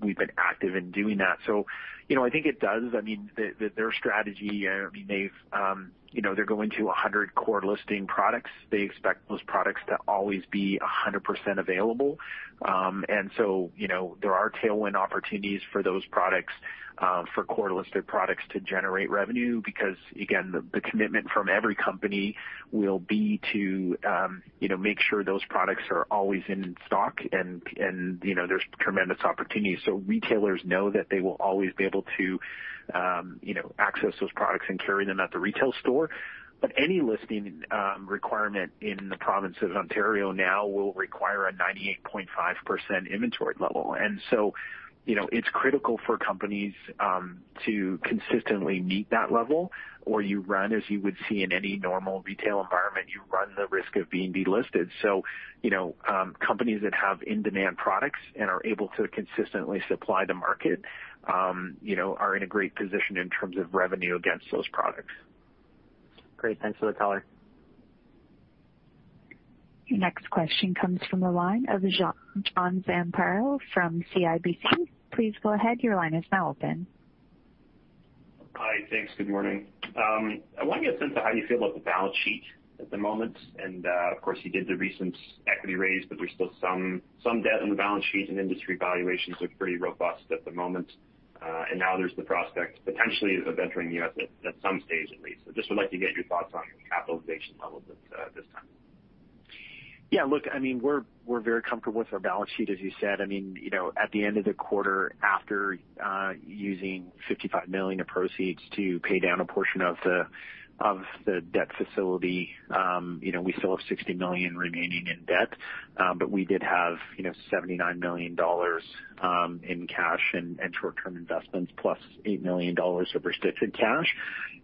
we've been active in doing that. So, you know, I think it does. I mean, their strategy, I mean, they've, you know, they're going to 100 core listing products. They expect those products to always be 100% available. And so, you know, there are tailwind opportunities for those products, for core listed products to generate revenue. Because, again, the commitment from every company will be to, you know, make sure those products are always in stock, and, you know, there's tremendous opportunity. So retailers know that they will always be able to, you know, access those products and carry them at the retail store. But any listing requirement in the province of Ontario now will require a 98.5% inventory level. And so, you know, it's critical for companies to consistently meet that level, or you run, as you would see in any normal retail environment, you run the risk of being delisted. So, you know, companies that have in-demand products and are able to consistently supply the market, you know, are in a great position in terms of revenue against those products. Great. Thanks for the color. Your next question comes from the line of John Zamparo from CIBC. Please go ahead. Your line is now open. Hi. Thanks. Good morning. I want to get a sense of how you feel about the balance sheet at the moment. And, of course, you did the recent equity raise, but there's still some debt on the balance sheet, and industry valuations are pretty robust at the moment. And now there's the prospect, potentially, of entering the U.S. at some stage at least. So just would like to get your thoughts on capitalization levels at this time. Yeah, look, I mean, we're very comfortable with our balance sheet, as you said. I mean, you know, at the end of the quarter, after using 55 million of proceeds to pay down a portion of the debt facility, you know, we still have 60 million remaining in debt. But we did have, you know, 79 million dollars in cash and short-term investments, plus 8 million dollars of restricted cash.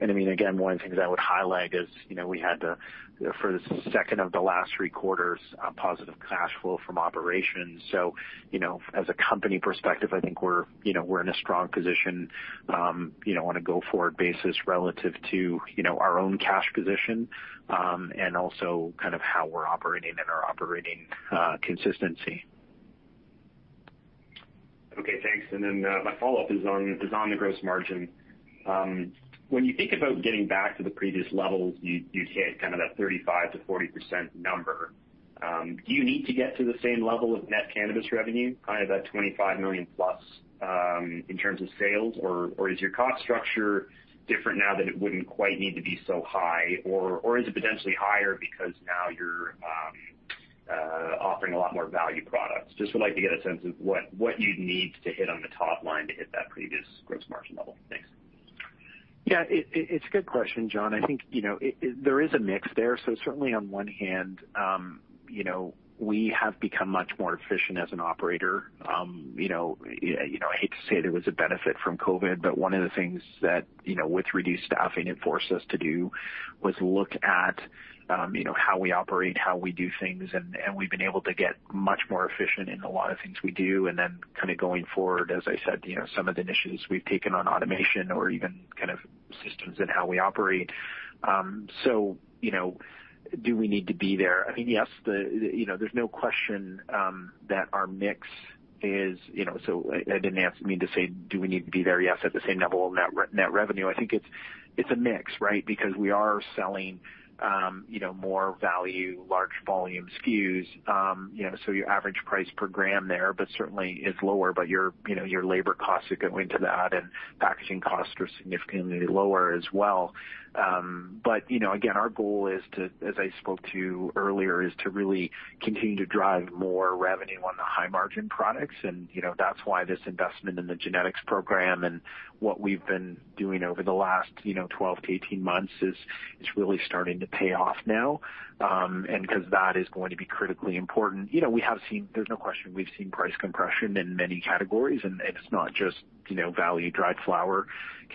I mean, again, one of the things I would highlight is, you know, we had, for the second of the last three quarters, a positive cash flow from operations. So, you know, as a company perspective, I think we're, you know, we're in a strong position, you know, on a go-forward basis relative to, you know, our own cash position, and also kind of how we're operating and our operating consistency. Okay, thanks. And then my follow-up is on the gross margin. When you think about getting back to the previous levels, you hit kind of that 35%-40% number. Do you need to get to the same level of net cannabis revenue, kind of that 25 million plus, in terms of sales? Or is your cost structure different now that it wouldn't quite need to be so high? Or is it potentially higher because now you're offering a lot more value products? Just would like to get a sense of what you'd need to hit on the top line to hit that previous gross margin level. Thanks. Yeah, it's a good question, John. I think, you know, there is a mix there. So certainly on one hand, you know, we have become much more efficient as an operator. You know, I hate to say there was a benefit from COVID, but one of the things that, you know, with reduced staffing it forced us to do was look at, you know, how we operate, how we do things, and we've been able to get much more efficient in a lot of things we do. And then kind of going forward, as I said, you know, some of the initiatives we've taken on automation or even kind of systems and how we operate. So, you know, do we need to be there? I mean, yes, the, you know, there's no question, that our mix is, you know... So I, I didn't mean to say, do we need to be there, yes, at the same level of net revenue? I think it's, it's a mix, right? Because we are selling, you know, more value, large volume SKUs. You know, so your average price per gram there, but certainly is lower, but your, you know, your labor costs that go into that and packaging costs are significantly lower as well. But, you know, again, our goal is to, as I spoke to earlier, is to really continue to drive more revenue on the high-margin products. You know, that's why this investment in the genetics program and what we've been doing over the last twelve to eighteen months is really starting to pay off now. And because that is going to be critically important. You know, we have seen. There's no question, we've seen price compression in many categories, and it's not just value-dried flower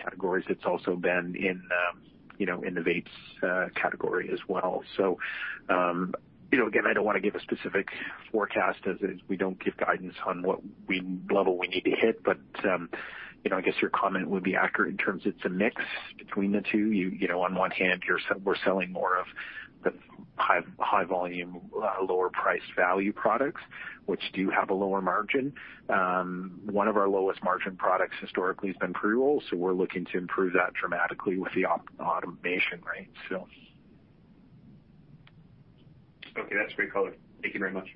categories. It's also been in the vapes category as well. So, you know, again, I don't want to give a specific forecast, as we don't give guidance on what level we need to hit. But, you know, I guess your comment would be accurate in terms it's a mix between the two. You know, on one hand, we're selling more of the high volume, lower priced value products, which do have a lower margin. One of our lowest margin products historically has been pre-rolls, so we're looking to improve that dramatically with the automation rate, so. Okay, that's great color. Thank you very much.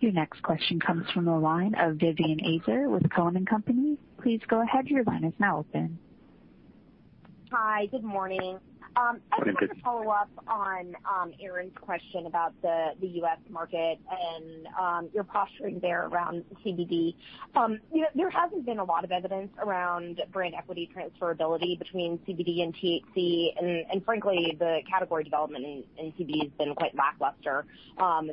Your next question comes from the line of Vivien Azer with Cowen and Company. Please go ahead. Your line is now open. Hi, good morning. Good morning. I just wanted to follow up on Aaron's question about the US market and your posturing there around CBD. You know, there hasn't been a lot of evidence around brand equity transferability between CBD and THC, and frankly, the category development in CBD has been quite lackluster.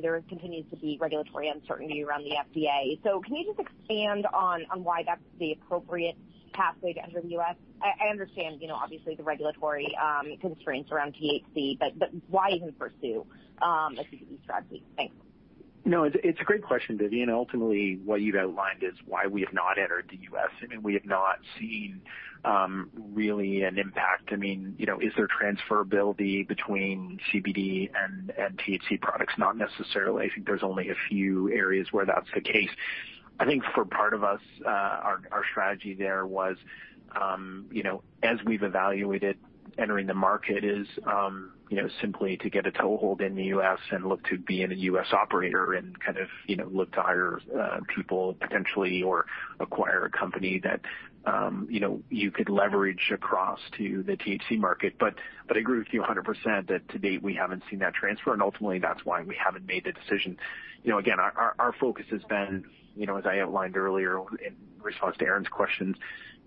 There continues to be regulatory uncertainty around the FDA. So can you just expand on why that's the appropriate pathway to enter the US? I understand, you know, obviously the regulatory constraints around THC, but why even pursue a CBD strategy? Thanks. No, it's a great question, Vivien. Ultimately, what you've outlined is why we have not entered the U.S. I mean, we have not seen really an impact. I mean, you know, is there transferability between CBD and THC products? Not necessarily. I think there's only a few areas where that's the case. I think for part of us, our strategy there was, you know, as we've evaluated, entering the market is, you know, simply to get a toehold in the U.S. and look to be a U.S. operator and kind of, you know, look to hire people potentially or acquire a company that, you know, you could leverage across to the THC market. But I agree with you 100% that to date, we haven't seen that transfer, and ultimately that's why we haven't made the decision. You know, again, our focus has been, you know, as I outlined earlier in response to Aaron's questions,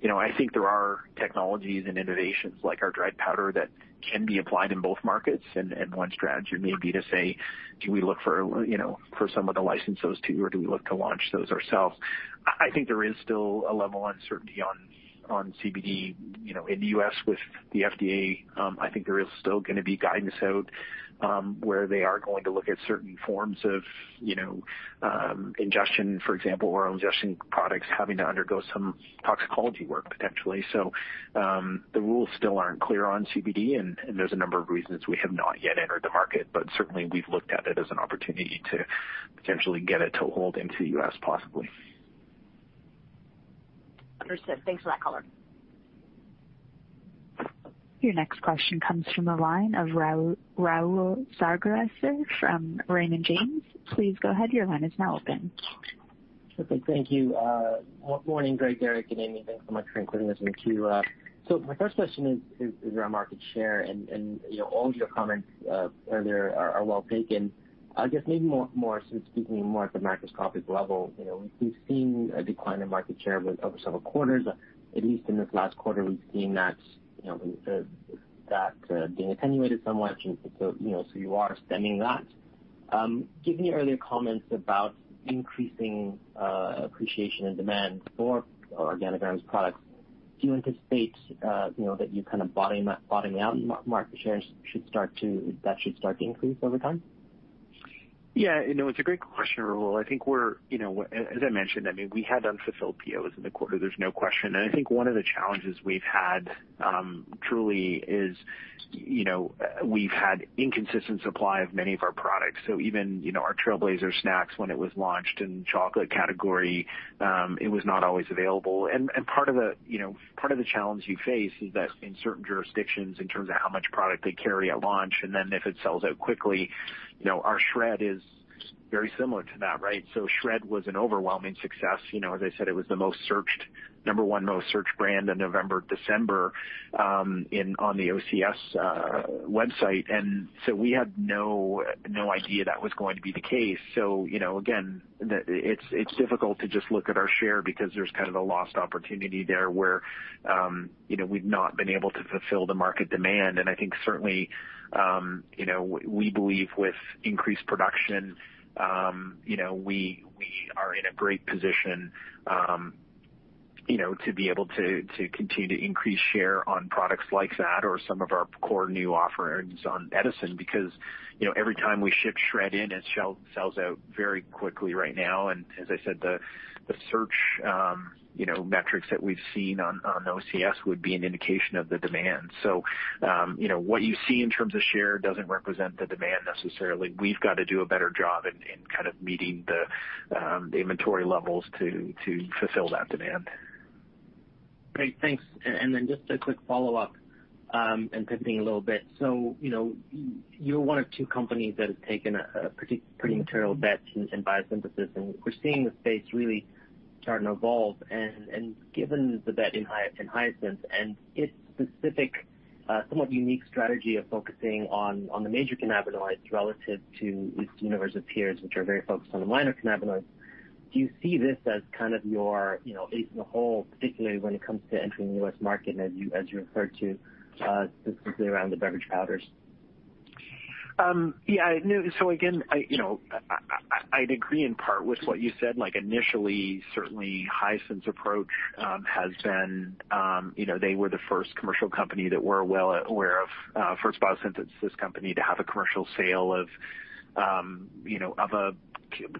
you know, I think there are technologies and innovations like our dried powder that can be applied in both markets. And one strategy may be to say: Do we look for, you know, for someone to license those to, or do we look to launch those ourselves? I think there is still a level of uncertainty on CBD, you know, in the U.S. with the FDA. I think there is still gonna be guidance out, where they are going to look at certain forms of, you know, ingestion, for example, oral ingestion products, having to undergo some toxicology work potentially. The rules still aren't clear on CBD, and there's a number of reasons we have not yet entered the market, but certainly we've looked at it as an opportunity to potentially get a toehold into the US, possibly. Understood. Thanks for that color. Your next question comes from the line of Rahul Sarugaser from Raymond James. Please go ahead. Your line is now open. Okay, thank you. Good morning, Greg, Derrick, and Amy. Thanks so much for including us in Q. So my first question is around market share, and you know, all of your comments earlier are well taken. I guess maybe more speaking at the macroscopic level. You know, we've seen a decline in market share over several quarters. At least in this last quarter, we've seen that, you know, that being attenuated somewhat. So, you know, you are extending that. Given your earlier comments about increasing appreciation and demand for Organigram's products, do you anticipate that you kind of bottoming out in market share should start to increase over time? Yeah, you know, it's a great question, Rahul. I think we're, you know, as, as I mentioned, I mean, we had unfulfilled POs in the quarter, there's no question. And I think one of the challenges we've had, truly is, you know, we've had inconsistent supply of many of our products. So even, you know, our Trailblazer Snax, when it was launched in chocolate category, it was not always available. And, and part of the, you know, part of the challenge you face is that in certain jurisdictions, in terms of how much product they carry at launch, and then if it sells out quickly, you know, our SHRED is very similar to that, right? So SHRED was an overwhelming success. You know, as I said, it was the most searched, number one most searched brand in November, December, in, on the OCS website. And so we had no idea that was going to be the case. So, you know, again, it's difficult to just look at our share because there's kind of a lost opportunity there where, you know, we've not been able to fulfill the market demand. And I think certainly, you know, we believe with increased production, you know, we are in a great position, you know, to be able to continue to increase share on products like that or some of our core new offerings on Edison. Because, you know, every time we ship SHRED in, it sells out very quickly right now. And as I said, the search metrics that we've seen on OCS would be an indication of the demand. You know, what you see in terms of share doesn't represent the demand necessarily. We've got to do a better job in kind of meeting the inventory levels to fulfill that demand. Great, thanks. And then just a quick follow-up, and pivoting a little bit. So, you know, you're one of two companies that has taken a pretty, pretty material bet in biosynthesis, and we're seeing the space really starting to evolve. And given the bet in Hyasynth, and its specific, somewhat unique strategy of focusing on the major cannabinoids relative to its universe of peers, which are very focused on the minor cannabinoids, do you see this as kind of your, you know, ace in the hole, particularly when it comes to entering the US market as you referred to, specifically around the beverage powders? Yeah, no. So again, you know, I'd agree in part with what you said. Like, initially, certainly Hyasynth's approach has been, you know, they were the first commercial company that we're well aware of, first biosynthesis company to have a commercial sale of, you know, of a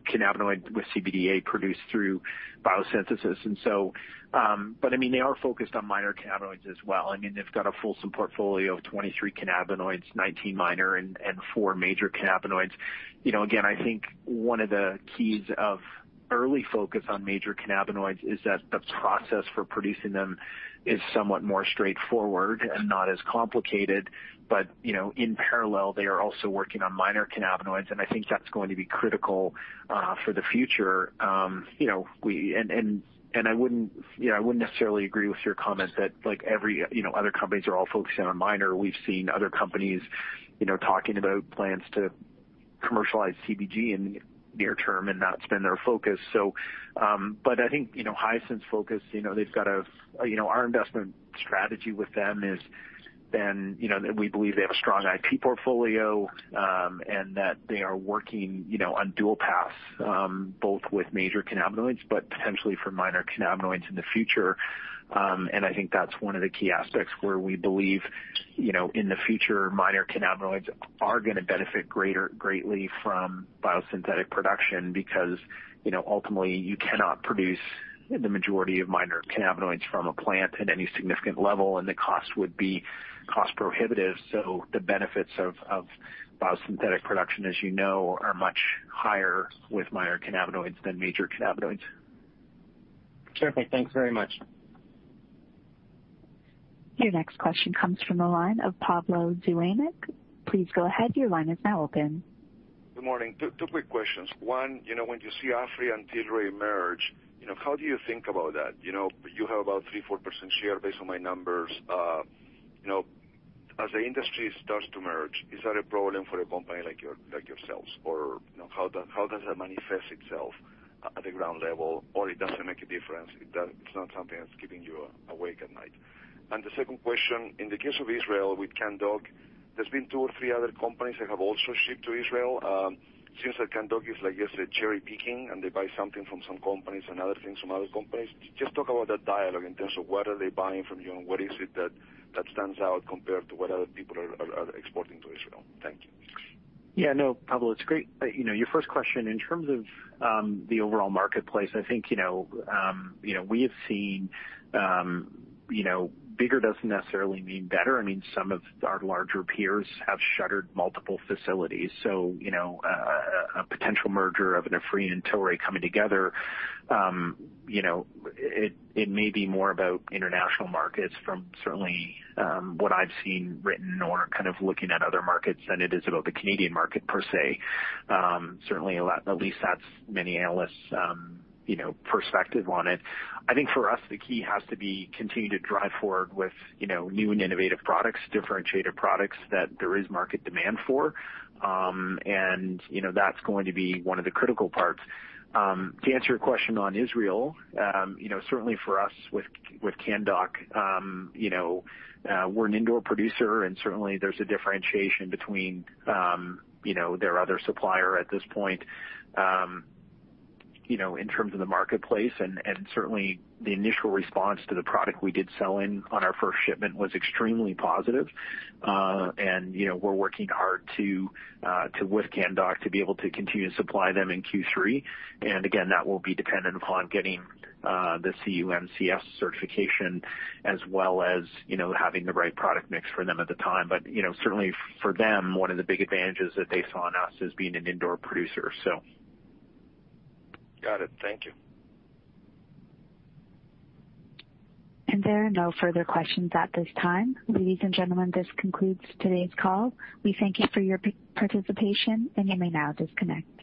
cannabinoid with CBDA produced through biosynthesis. And so, but, I mean, they are focused on minor cannabinoids as well. I mean, they've got a fulsome portfolio of 23 cannabinoids, 19 minor and four major cannabinoids. You know, again, I think one of the keys of early focus on major cannabinoids is that the process for producing them is somewhat more straightforward and not as complicated. But, you know, in parallel, they are also working on minor cannabinoids, and I think that's going to be critical for the future. You know, I wouldn't necessarily agree with your comment that, like, every, you know, other companies are all focusing on minor. We've seen other companies, you know, talking about plans to commercialize CBG in the near term and not spend their focus. So, but I think, you know, Hyasynth's focus, you know, they've got a. You know, our investment strategy with them has been, you know, that we believe they have a strong IP portfolio, and that they are working, you know, on dual paths, both with major cannabinoids, but potentially for minor cannabinoids in the future. And I think that's one of the key aspects where we believe, you know, in the future, minor cannabinoids are gonna benefit greatly from biosynthetic production, because, you know, ultimately, you cannot produce the majority of minor cannabinoids from a plant at any significant level, and the cost would be prohibitive. So the benefits of biosynthetic production, as you know, are much higher with minor cannabinoids than major cannabinoids. Perfect. Thanks very much. Your next question comes from the line of Pablo Zuanich. Please go ahead. Your line is now open. Good morning. Two quick questions. One, you know, when you see Aphria and Tilray merge, you know, how do you think about that? You know, you have about 3-4% share based on my numbers. You know, as the industry starts to merge, is that a problem for a company like your- like yourselves? Or, you know, how does, how does that manifest itself at the ground level? Or it doesn't make a difference, it's not something that's keeping you awake at night. And the second question: in the case of Israel, with Canndoc, there's been two or three other companies that have also shipped to Israel. Seems that Canndoc is, I guess, cherry-picking, and they buy something from some companies and other things from other companies. Just talk about that dialogue in terms of what are they buying from you, and what is it that stands out compared to what other people are exporting to Israel? Thank you. Yeah, no, Pablo, it's great. You know, your first question, in terms of the overall marketplace, I think, you know, you know, we have seen, you know, bigger doesn't necessarily mean better. I mean, some of our larger peers have shuttered multiple facilities, so, you know, a potential merger of an Aphria and Tilray coming together, you know, it, it may be more about international markets from certainly what I've seen written or kind of looking at other markets, than it is about the Canadian market per se. Certainly, at least that's many analysts', you know, perspective on it. I think for us, the key has to be continue to drive forward with, you know, new and innovative products, differentiated products that there is market demand for. And, you know, that's going to be one of the critical parts. To answer your question on Israel, you know, certainly for us with Canndoc, you know, we're an indoor producer, and certainly there's a differentiation between, you know, their other supplier at this point, you know, in terms of the marketplace. And certainly, the initial response to the product we did sell in on our first shipment was extremely positive. And, you know, we're working hard to with Canndoc to be able to continue to supply them in Q3. And again, that will be dependent upon getting the CUMCS certification as well as, you know, having the right product mix for them at the time. But, you know, certainly for them, one of the big advantages that they saw in us is being an indoor producer, so. Got it. Thank you. There are no further questions at this time. Ladies and gentlemen, this concludes today's call. We thank you for your participation, and you may now disconnect.